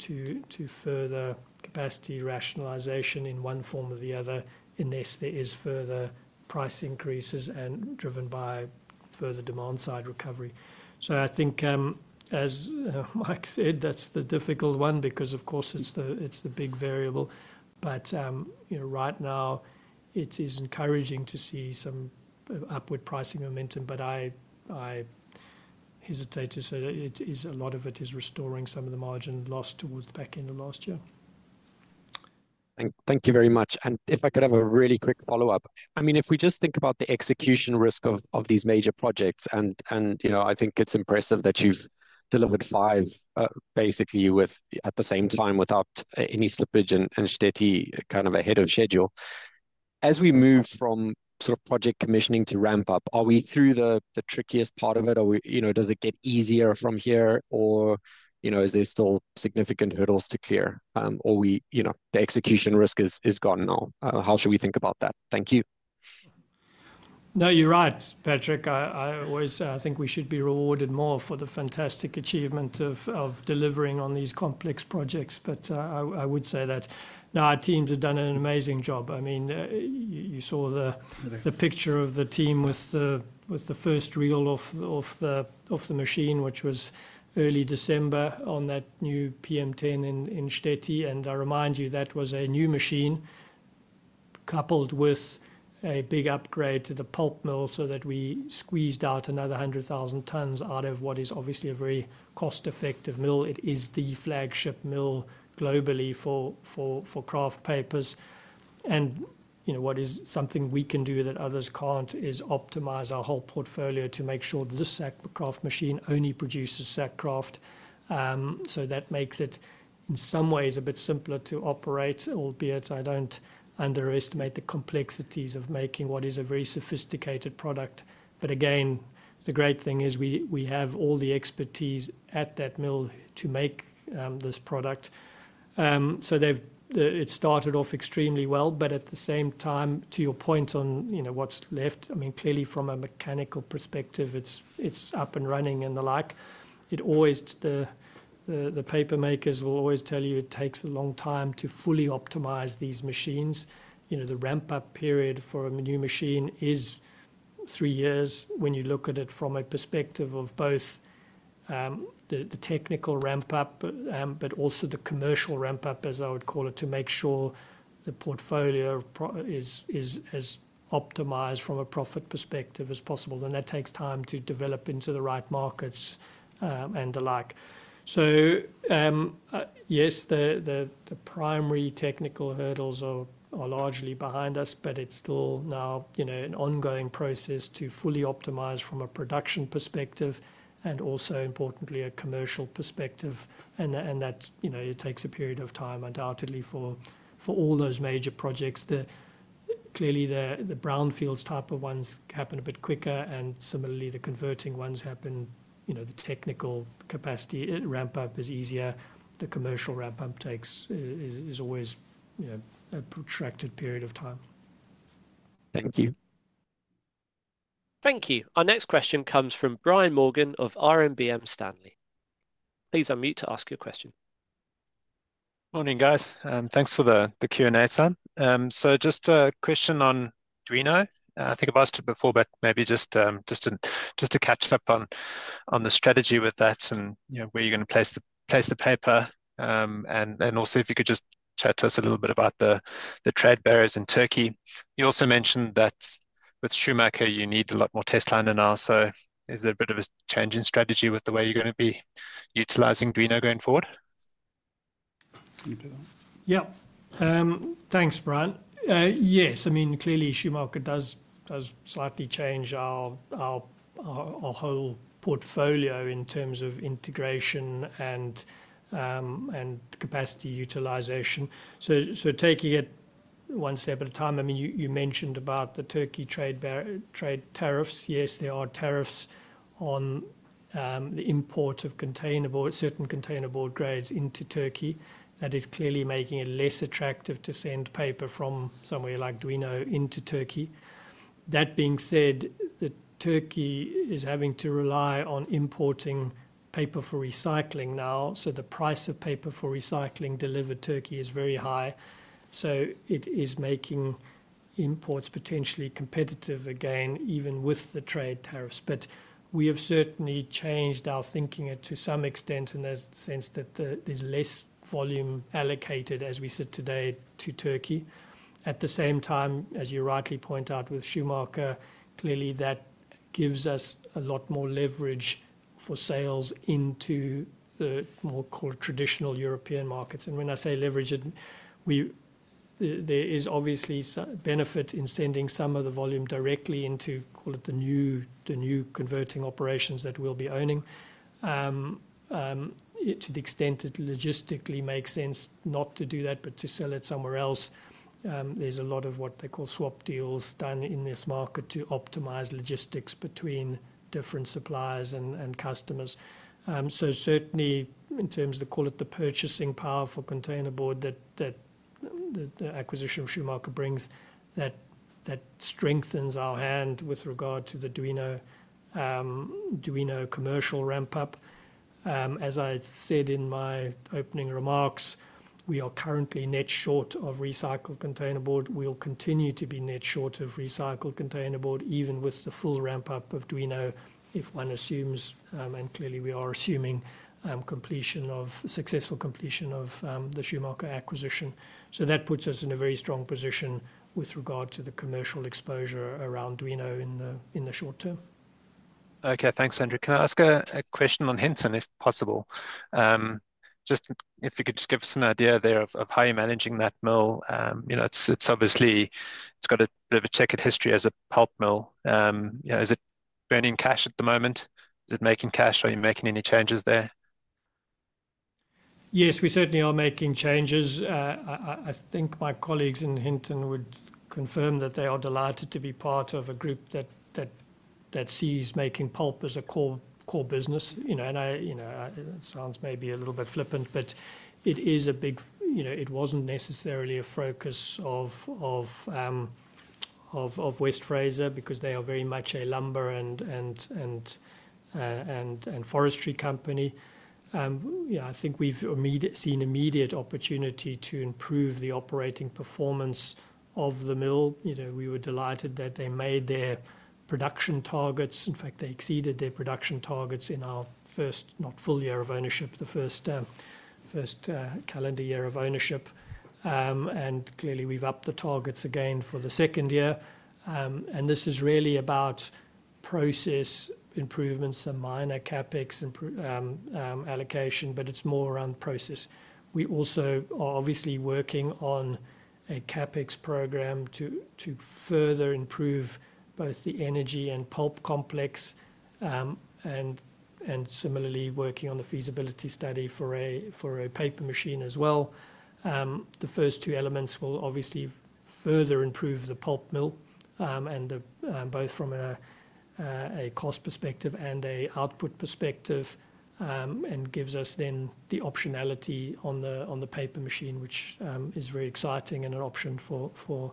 Speaker 2: further capacity rationalization in one form or the other unless there are further price increases driven by further demand-side recovery. I think, as Mike said, that's the difficult one because, of course, it's the big variable. Right now, it is encouraging to see some upward pricing momentum, but I hesitate to say that a lot of it is restoring some of the margin lost towards the back end of last year.
Speaker 5: Thank you very much. If I could have a really quick follow-up, I mean, if we just think about the execution risk of these major projects, and I think it's impressive that you've delivered five, basically, at the same time without any slippage and Štětí, kind of ahead of schedule. As we move from sort of project commissioning to ramp-up, are we through the trickiest part of it? Does it get easier from here, or are there still significant hurdles to clear? Or the execution risk is gone now? How should we think about that? Thank you.
Speaker 2: No, you're right, Patrick. I always think we should be rewarded more for the fantastic achievement of delivering on these complex projects. But I would say that our teams have done an amazing job. I mean, you saw the picture of the team with the first reel off the machine, which was early December on that new PM10 in Štětí. And I remind you, that was a new machine coupled with a big upgrade to the pulp mill so that we squeezed out another 100,000 tons out of what is obviously a very cost-effective mill. It is the flagship mill globally for kraft papers, and what is something we can do that others can't is optimize our whole portfolio to make sure this sack kraft machine only produces sack kraft. So that makes it, in some ways, a bit simpler to operate, albeit I don't underestimate the complexities of making what is a very sophisticated product. But again, the great thing is we have all the expertise at that mill to make this product, so it started off extremely well. But at the same time, to your point on what's left, I mean, clearly, from a mechanical perspective, it's up and running and the like. The paper makers will always tell you it takes a long time to fully optimize these machines. The ramp-up period for a new machine is three years when you look at it from a perspective of both the technical ramp-up, but also the commercial ramp-up, as I would call it, to make sure the portfolio is as optimized from a profit perspective as possible. And that takes time to develop into the right markets and the like. So yes, the primary technical hurdles are largely behind us, but it's still now an ongoing process to fully optimize from a production perspective and also, importantly, a commercial perspective. And that takes a period of time, undoubtedly, for all those major projects. Clearly, the brownfields type of ones happen a bit quicker. And similarly, the converting ones happen. The technical capacity ramp-up is easier. The commercial ramp-up is always a protracted period of time.
Speaker 5: Thank you.
Speaker 1: Thank you. Our next question comes from Brian Morgan of RMB Morgan Stanley.Please unmute to ask your question. Morning, guys.
Speaker 6: Thanks for the Q&A, Sam. So just a question on Duino. I think I've asked it before, but maybe just to catch up on the strategy with that and where you're going to place the paper. And also, if you could just chat to us a little bit about the trade barriers in Turkey. You also mentioned that with Schumacher, you need a lot more testliner now. So is there a bit of a change in strategy with the way you're going to be utilizing Duino going forward?
Speaker 2: Yeah. Thanks, Brian. Yes. I mean, clearly, Schumacher does slightly change our whole portfolio in terms of integration and capacity utilization. So taking it one step at a time, I mean, you mentioned about the Turkey trade tariffs. Yes, there are tariffs on the import of certain containerboard grades into Turkey. That is clearly making it less attractive to send paper from somewhere like Duino into Turkey. That being said, Turkey is having to rely on importing paper for recycling now. So the price of paper for recycling delivered to Turkey is very high. So it is making imports potentially competitive again, even with the trade tariffs. But we have certainly changed our thinking to some extent in the sense that there's less volume allocated, as we sit today, to Turkey. At the same time, as you rightly point out with Schumacher, clearly, that gives us a lot more leverage for sales into the more traditional European markets. When I say leverage, there is obviously benefit in sending some of the volume directly into, call it, the new converting operations that we'll be owning, to the extent it logistically makes sense not to do that, but to sell it somewhere else. There's a lot of what they call swap deals done in this market to optimize logistics between different suppliers and customers. So certainly, in terms of, call it, the purchasing power for containerboard that the acquisition of Schumacher brings, that strengthens our hand with regard to the Duino commercial ramp-up. As I said in my opening remarks, we are currently net short of recycled containerboard. We'll continue to be net short of recycled containerboard, even with the full ramp-up of Duino, if one assumes, and clearly, we are assuming successful completion of the Schumacher acquisition. So that puts us in a very strong position with regard to the commercial exposure around Duino in the short term.
Speaker 6: Okay. Thanks, Andrew. Can I ask a question on Hinton, if possible? Just if you could just give us an idea there of how you're managing that mill. It's obviously got a bit of a checkered history as a pulp mill. Is it burning cash at the moment? Is it making cash? Are you making any changes there?
Speaker 2: Yes, we certainly are making changes. I think my colleagues in Hinton would confirm that they are delighted to be part of a group that sees making pulp as a core business. And it sounds maybe a little bit flippant, but it is a big it wasn't necessarily a focus of West Fraser because they are very much a lumber and forestry company. I think we've seen immediate opportunity to improve the operating performance of the mill. We were delighted that they made their production targets. In fact, they exceeded their production targets in our first, not full year of ownership, the first calendar year of ownership, and clearly, we've upped the targets again for the second year, and this is really about process improvements and minor CapEx allocation, but it's more around process. We also are obviously working on a CapEx program to further improve both the energy and pulp complex and similarly working on the feasibility study for a paper machine as well. The first two elements will obviously further improve the pulp mill, both from a cost perspective and an output perspective, and gives us then the optionality on the paper machine, which is very exciting and an option for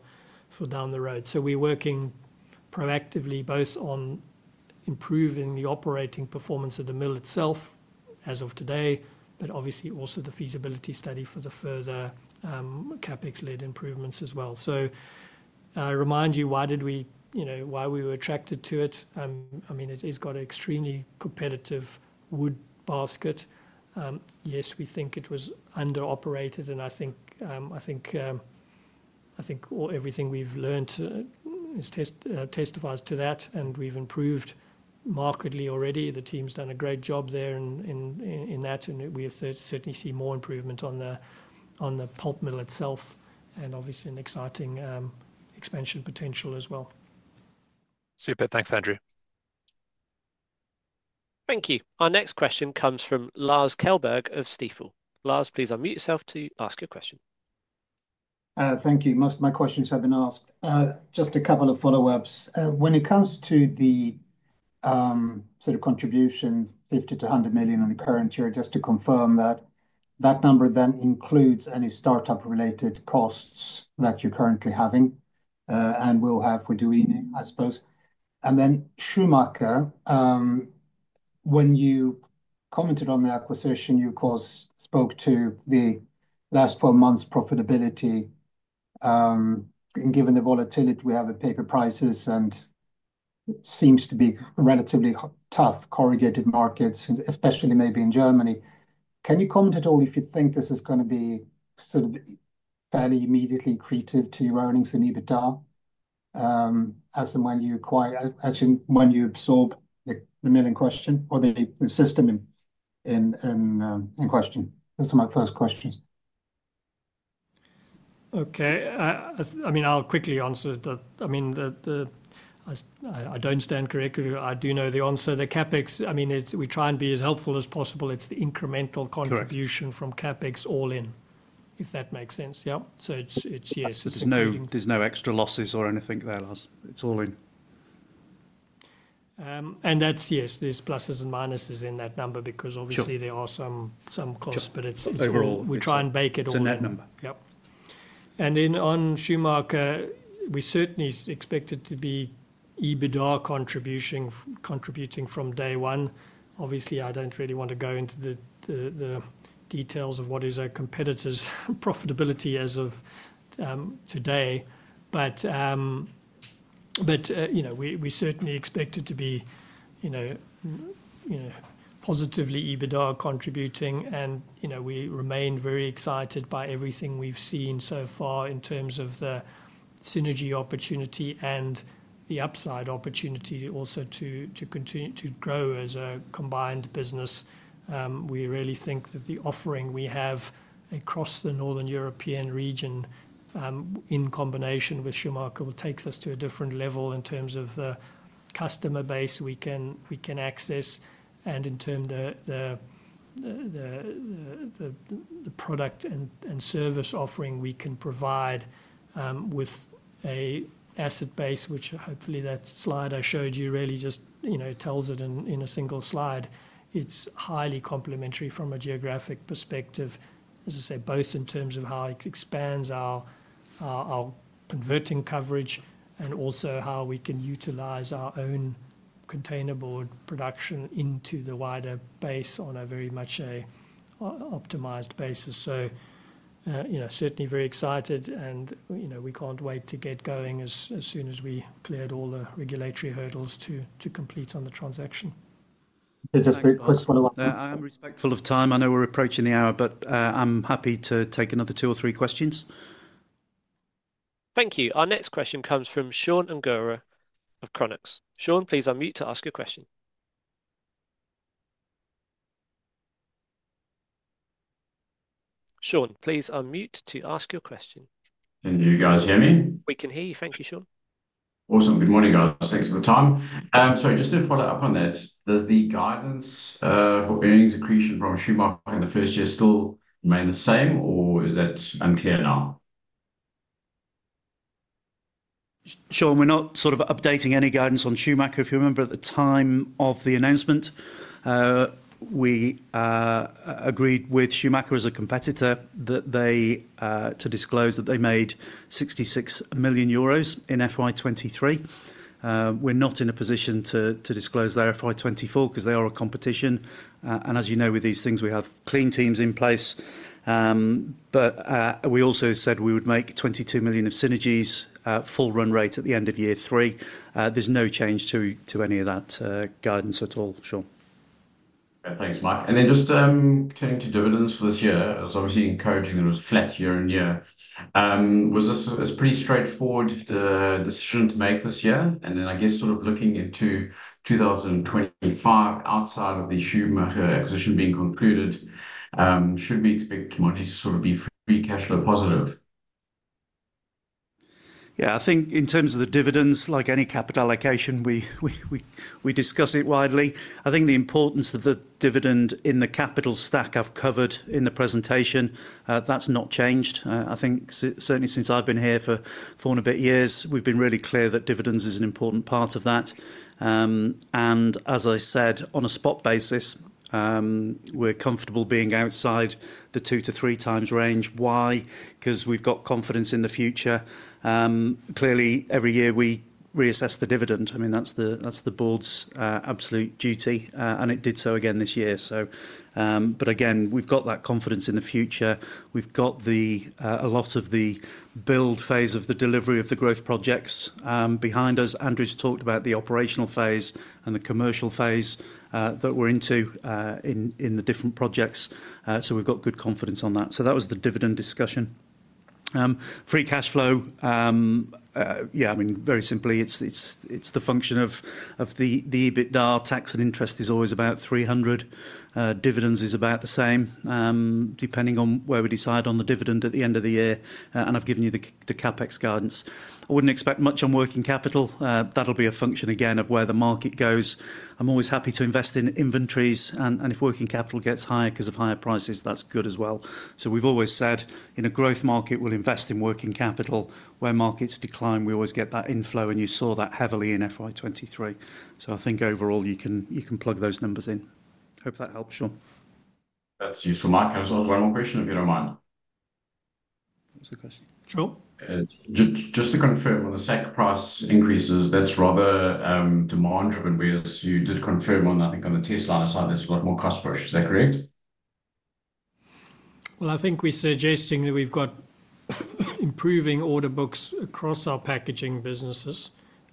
Speaker 2: down the road. So we're working proactively both on improving the operating performance of the mill itself as of today, but obviously also the feasibility study for the further CapEx-led improvements as well. So I remind you why we were attracted to it. I mean, it has got an extremely competitive wood basket. Yes, we think it was under-operated. And I think everything we've learned testifies to that. And we've improved markedly already. The team's done a great job there in that. And we certainly see more improvement on the pulp mill itself and obviously an exciting expansion potential as well.
Speaker 6: Super. Thanks, Andrew.
Speaker 1: Thank you. Our next question comes from Lars Kjellberg of Stifel. Lars, please unmute yourself to ask your question.
Speaker 7: Thank you. Most of my questions have been asked. Just a couple of follow-ups. When it comes to the sort of contribution, 50-100 million in the current year, just to confirm that that number then includes any startup-related costs that you're currently having and will have for Duino, I suppose. And then Schumacher, when you commented on the acquisition, you of course spoke to the last 12 months' profitability. And given the volatility we have in paper prices, and it seems to be relatively tough corrugated markets, especially maybe in Germany, can you comment at all if you think this is going to be sort of fairly immediately accretive to your earnings in EBITDA as in when you absorb the mill in question or the system in question? That's my first question.
Speaker 2: Okay. I mean, I'll quickly answer that. I mean, if I understand correctly, I do know the answer. The CapEx, I mean, we try and be as helpful as possible. It's the incremental contribution from CapEx all in, if that makes sense. Yeah. So it's yes.
Speaker 3: There's no extra losses or anything there, Lars. It's all in.
Speaker 2: And yes, there's pluses and minuses in that number because obviously there are some costs, but it's overall. We try and bake it all in.
Speaker 3: It's a net number.
Speaker 2: Yeah. And then on Schumacher, we certainly expect it to be EBITDA contributing from day one. Obviously, I don't really want to go into the details of what is our competitor's profitability as of today. But we certainly expect it to be positively EBITDA contributing. And we remain very excited by everything we've seen so far in terms of the synergy opportunity and the upside opportunity also to grow as a combined business. We really think that the offering we have across the Northern European region in combination with Schumacher will take us to a different level in terms of the customer base we can access. And in terms of the product and service offering we can provide with an asset base, which hopefully that slide I showed you really just tells it in a single slide. It's highly complementary from a geographic perspective, as I say, both in terms of how it expands our converting coverage and also how we can utilize our own containerboard production into the wider base on a very much optimized basis. So certainly very excited. And we can't wait to get going as soon as we cleared all the regulatory hurdles to complete on the transaction.
Speaker 7: Just a quick follow-up.
Speaker 3: I am respectful of time. I know we're approaching the hour, but I'm happy to take another two or three questions.
Speaker 1: Thank you. Our next question comes from Sean Ungerer of Chronux Research. Sean, please unmute to ask your question.
Speaker 8: Can you guys hear me?
Speaker 1: We can hear you. Thank you, Sean.
Speaker 8: Awesome. Good morning, guys. Thanks for the time. Sorry, just to follow up on that. Does the guidance for earnings accretion from Schumacher in the first year still remain the same, or is that unclear now?
Speaker 3: Sean, we're not sort of updating any guidance on Schumacher. If you remember at the time of the announcement, we agreed with Schumacher as a competitor to disclose that they made 66 million euros in FY23. We're not in a position to disclose their FY24 because they are a competition. As you know, with these things, we have clean teams in place. But we also said we would make 22 million of synergies full run rate at the end of year three. There's no change to any of that guidance at all, Sean.
Speaker 8: Thanks, Mike. Then just turning to dividends for this year, it's obviously encouraging that it was flat year-on-year. Was this a pretty straightforward decision to make this year? And then I guess sort of looking into 2025, outside of the Schumacher acquisition being concluded, should we expect money to sort of be free cash flow positive?
Speaker 3: Yeah, I think in terms of the dividends, like any capital allocation, we discuss it widely. I think the importance of the dividend in the capital stack I've covered in the presentation, that's not changed. I think certainly since I've been here for a bit of years, we've been really clear that dividends is an important part of that. And as I said, on a spot basis, we're comfortable being outside the two-to-three times range. Why? Because we've got confidence in the future. Clearly, every year we reassess the dividend. I mean, that's the board's absolute duty. And it did so again this year. But again, we've got that confidence in the future. We've got a lot of the build phase of the delivery of the growth projects behind us. Andrew's talked about the operational phase and the commercial phase that we're into in the different projects. So we've got good confidence on that. So that was the dividend discussion. Free cash flow, yeah, I mean, very simply, it's the function of the EBITDA. Tax and interest is always about 300 million. Dividends is about the same, depending on where we decide on the dividend at the end of the year, and I've given you the CapEx guidance. I wouldn't expect much on working capital. That'll be a function, again, of where the market goes. I'm always happy to invest in inventories, and if working capital gets higher because of higher prices, that's good as well, so we've always said in a growth market, we'll invest in working capital. Where markets decline, we always get that inflow, and you saw that heavily in FY23, so I think overall, you can plug those numbers in. Hope that helps, Sean.
Speaker 8: That's useful, Mike. I just want to ask one more question, if you don't mind.
Speaker 2: What's the question? Sure.
Speaker 8: Just to confirm, when the OCC price increases, that's rather demand-driven, whereas you did confirm on, I think, on the testliner side, that's a lot more cost-push. Is that correct?
Speaker 2: Well, I think we're suggesting that we've got improving order books across our packaging businesses.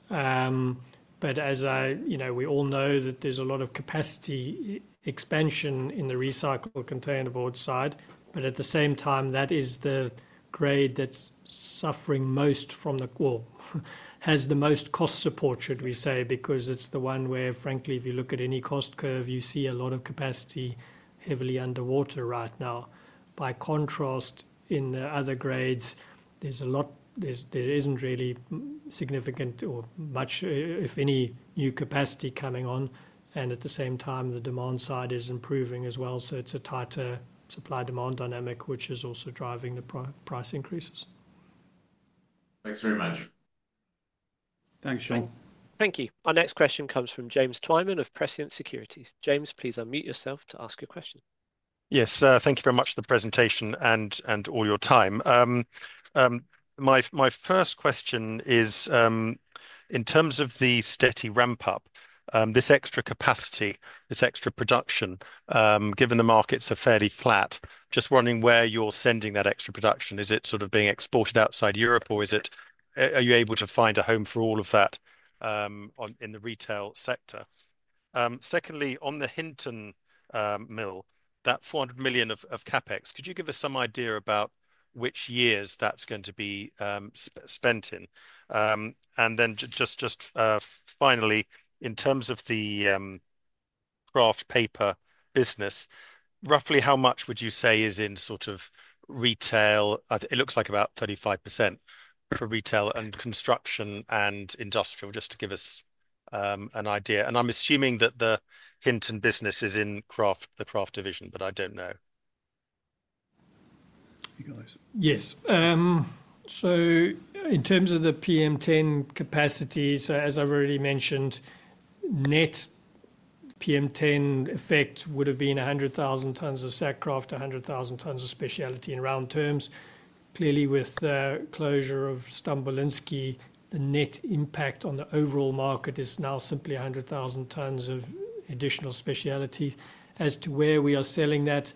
Speaker 2: But as we all know, that there's a lot of capacity expansion in the recycled containerboard side. But at the same time, that is the grade that's suffering most from the well, has the most cost support, should we say, because it's the one where, frankly, if you look at any cost curve, you see a lot of capacity heavily underwater right now. By contrast, in the other grades, there isn't really significant or much, if any, new capacity coming on. And at the same time, the demand side is improving as well. It's a tighter supply-demand dynamic, which is also driving the price increases.
Speaker 8: Thanks very much.
Speaker 3: Thanks, Sean.
Speaker 1: Thank you. Our next question comes from James Twyman of Prescient Securities. James, please unmute yourself to ask your question.
Speaker 9: Yes, thank you very much for the presentation and all your time. My first question is, in terms of the steady ramp-up, this extra capacity, this extra production, given the markets are fairly flat, just wondering where you're sending that extra production. Is it sort of being exported outside Europe, or are you able to find a home for all of that in the retail sector? Secondly, on the Hinton mill, that 400 million of CapEx, could you give us some idea about which years that's going to be spent in? And then just finally, in terms of the kraft paper business, roughly how much would you say is in sort of retail? It looks like about 35% for retail and construction and industrial, just to give us an idea. And I'm assuming that the Hinton business is in the kraft division, but I don't know.
Speaker 2: You guys. Yes. So in terms of the PM10 capacity, so as I've already mentioned, net PM10 effect would have been 100,000 tons of sack kraft, 100,000 tons of specialty in round terms. Clearly, with the closure of Stambolijski, the net impact on the overall market is now simply 100,000 tons of additional specialties. As to where we are selling that,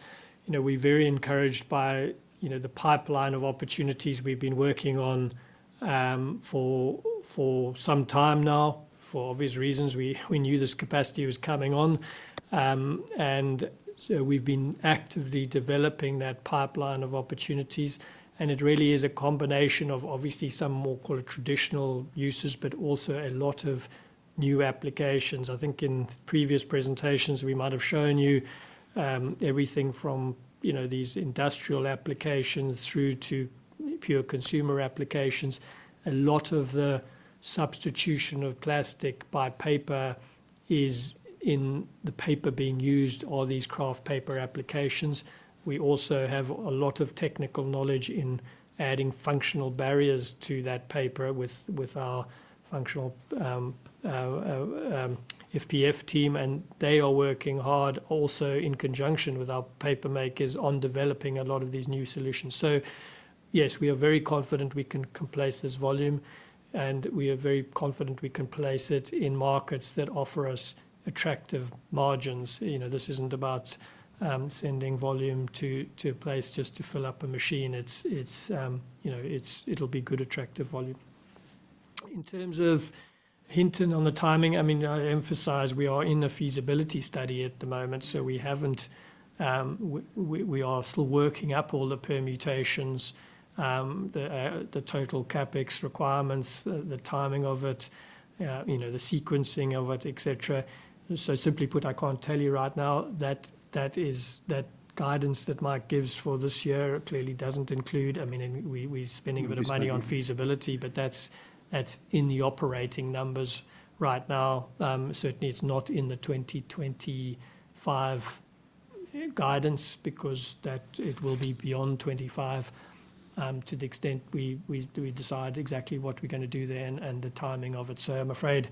Speaker 2: we're very encouraged by the pipeline of opportunities we've been working on for some time now. For obvious reasons, we knew this capacity was coming on. And so we've been actively developing that pipeline of opportunities. And it really is a combination of obviously some more traditional uses, but also a lot of new applications. I think in previous presentations, we might have shown you everything from these industrial applications through to pure consumer applications. A lot of the substitution of plastic by paper is in the paper being used or these kraft paper applications. We also have a lot of technical knowledge in adding functional barriers to that paper with our functional FPF team. And they are working hard also in conjunction with our paper makers on developing a lot of these new solutions. So yes, we are very confident we can place this volume. And we are very confident we can place it in markets that offer us attractive margins. This isn't about sending volume to a place just to fill up a machine. It'll be good attractive volume. In terms of Hinton on the timing, I mean, I emphasize we are in a feasibility study at the moment. So we are still working up all the permutations, the total CapEx requirements, the timing of it, the sequencing of it, etc. So simply put, I can't tell you right now that guidance that Mark gives for this year clearly doesn't include. I mean, we're spending a bit of money on feasibility, but that's in the operating numbers right now. Certainly, it's not in the 2025 guidance because it will be beyond 25 to the extent we decide exactly what we're going to do there and the timing of it. So I'm afraid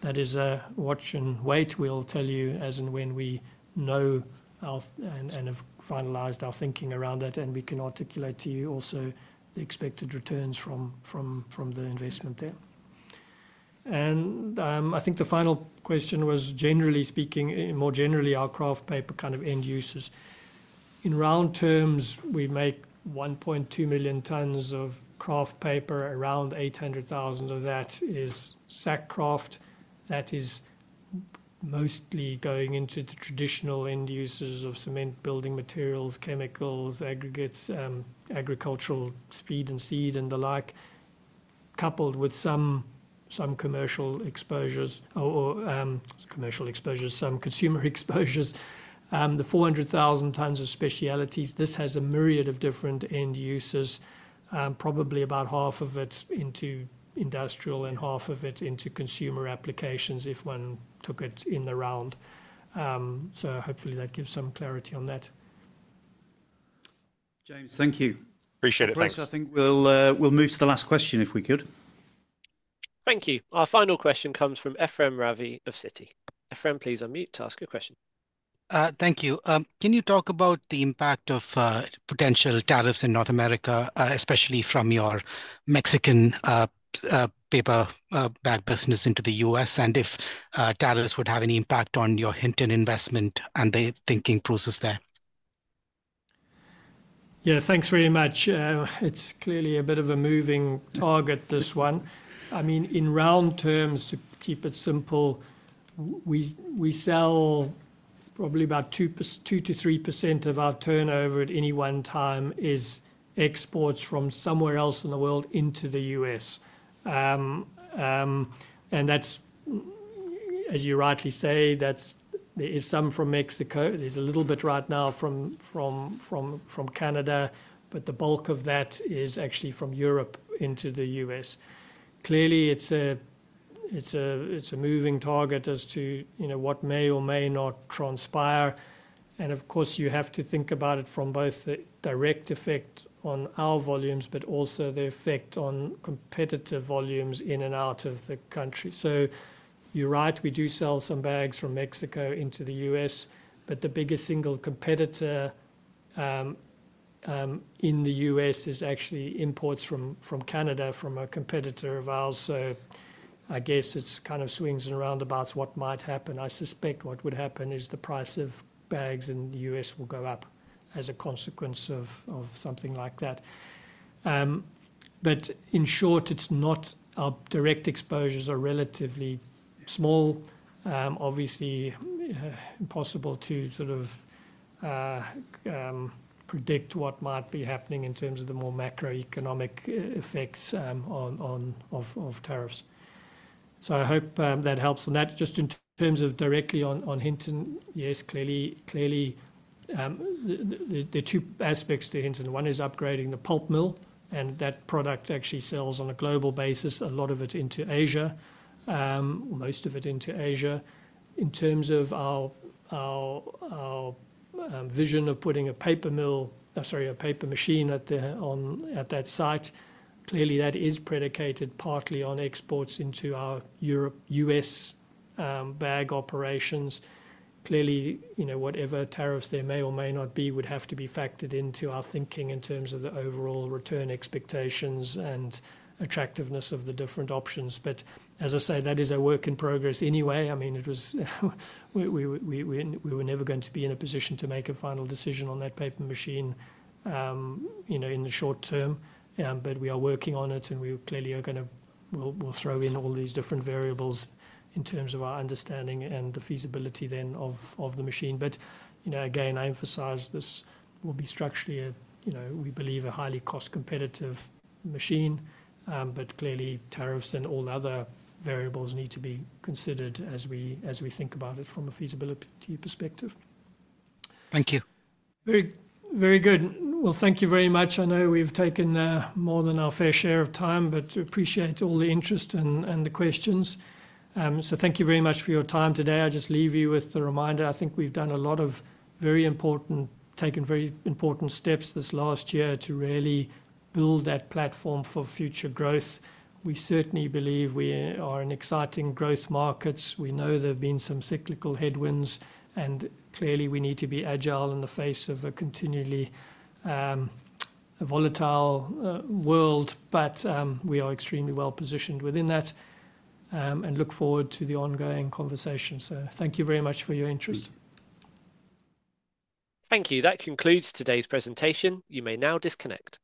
Speaker 2: that is a watch and wait. We'll tell you as and when we know and have finalized our thinking around that. And we can articulate to you also the expected returns from the investment there. I think the final question was, generally speaking, more generally, our kraft paper kind of end uses. In round terms, we make 1.2 million tons of kraft paper. Around 800,000 of that is sack kraft. That is mostly going into the traditional end uses of cement, building materials, chemicals, aggregates, agricultural feed and seed, and the like, coupled with some commercial exposures, some consumer exposures. The 400,000 tons of specialties, this has a myriad of different end uses, probably about half of it into industrial and half of it into consumer applications if one took it in the round. So hopefully that gives some clarity on that.
Speaker 3: James, thank you.
Speaker 9: Appreciate it. Thanks.
Speaker 3: Thanks. I think we'll move to the last question if we could. Thank you.
Speaker 1: Our final question comes from Ephrem Ravi of Citi. Ephrem, please unmute to ask your question.
Speaker 10: Thank you. Can you talk about the impact of potential tariffs in North America, especially from your Mexican paper bag business into the U.S., and if tariffs would have any impact on your Hinton investment and the thinking process there?
Speaker 2: Yeah, thanks very much. It's clearly a bit of a moving target, this one. I mean, in round terms, to keep it simple, we sell probably about 2%-3% of our turnover at any one time is exports from somewhere else in the world into the U.S. And as you rightly say, there is some from Mexico. There's a little bit right now from Canada, but the bulk of that is actually from Europe into the U.S. Clearly, it's a moving target as to what may or may not transpire. And of course, you have to think about it from both the direct effect on our volumes, but also the effect on competitive volumes in and out of the country. So you're right, we do sell some bags from Mexico into the U.S. But the biggest single competitor in the U.S. is actually imports from Canada, from a competitor of ours. So I guess it's kind of swings and roundabouts what might happen. I suspect what would happen is the price of bags in the U.S. will go up as a consequence of something like that. But in short, our direct exposures are relatively small. Obviously, impossible to sort of predict what might be happening in terms of the more macroeconomic effects of tariffs. So I hope that helps. And that's just in terms of directly on Hinton. Yes, clearly, the two aspects to Hinton. One is upgrading the pulp mill. And that product actually sells on a global basis, a lot of it into Asia, most of it into Asia. In terms of our vision of putting a paper mill, sorry, a paper machine at that site, clearly that is predicated partly on exports into our U.S. bag operations. Clearly, whatever tariffs there may or may not be would have to be factored into our thinking in terms of the overall return expectations and attractiveness of the different options. But as I say, that is a work in progress anyway. I mean, we were never going to be in a position to make a final decision on that paper machine in the short term. But we are working on it. And we clearly are going to throw in all these different variables in terms of our understanding and the feasibility then of the machine. But again, I emphasize this will be structurally, we believe, a highly cost-competitive machine. But clearly, tariffs and all other variables need to be considered as we think about it from a feasibility perspective. Thank you. Very good. Well, thank you very much. I know we've taken more than our fair share of time, but appreciate all the interest and the questions. So thank you very much for your time today. I just leave you with the reminder. I think we've done a lot of very important steps this last year to really build that platform for future growth. We certainly believe we are in exciting growth markets. We know there have been some cyclical headwinds. And clearly, we need to be agile in the face of a continually volatile world. But we are extremely well positioned within that and look forward to the ongoing conversation. Thank you very much for your interest.
Speaker 1: Thank you. That concludes today's presentation. You may now disconnect.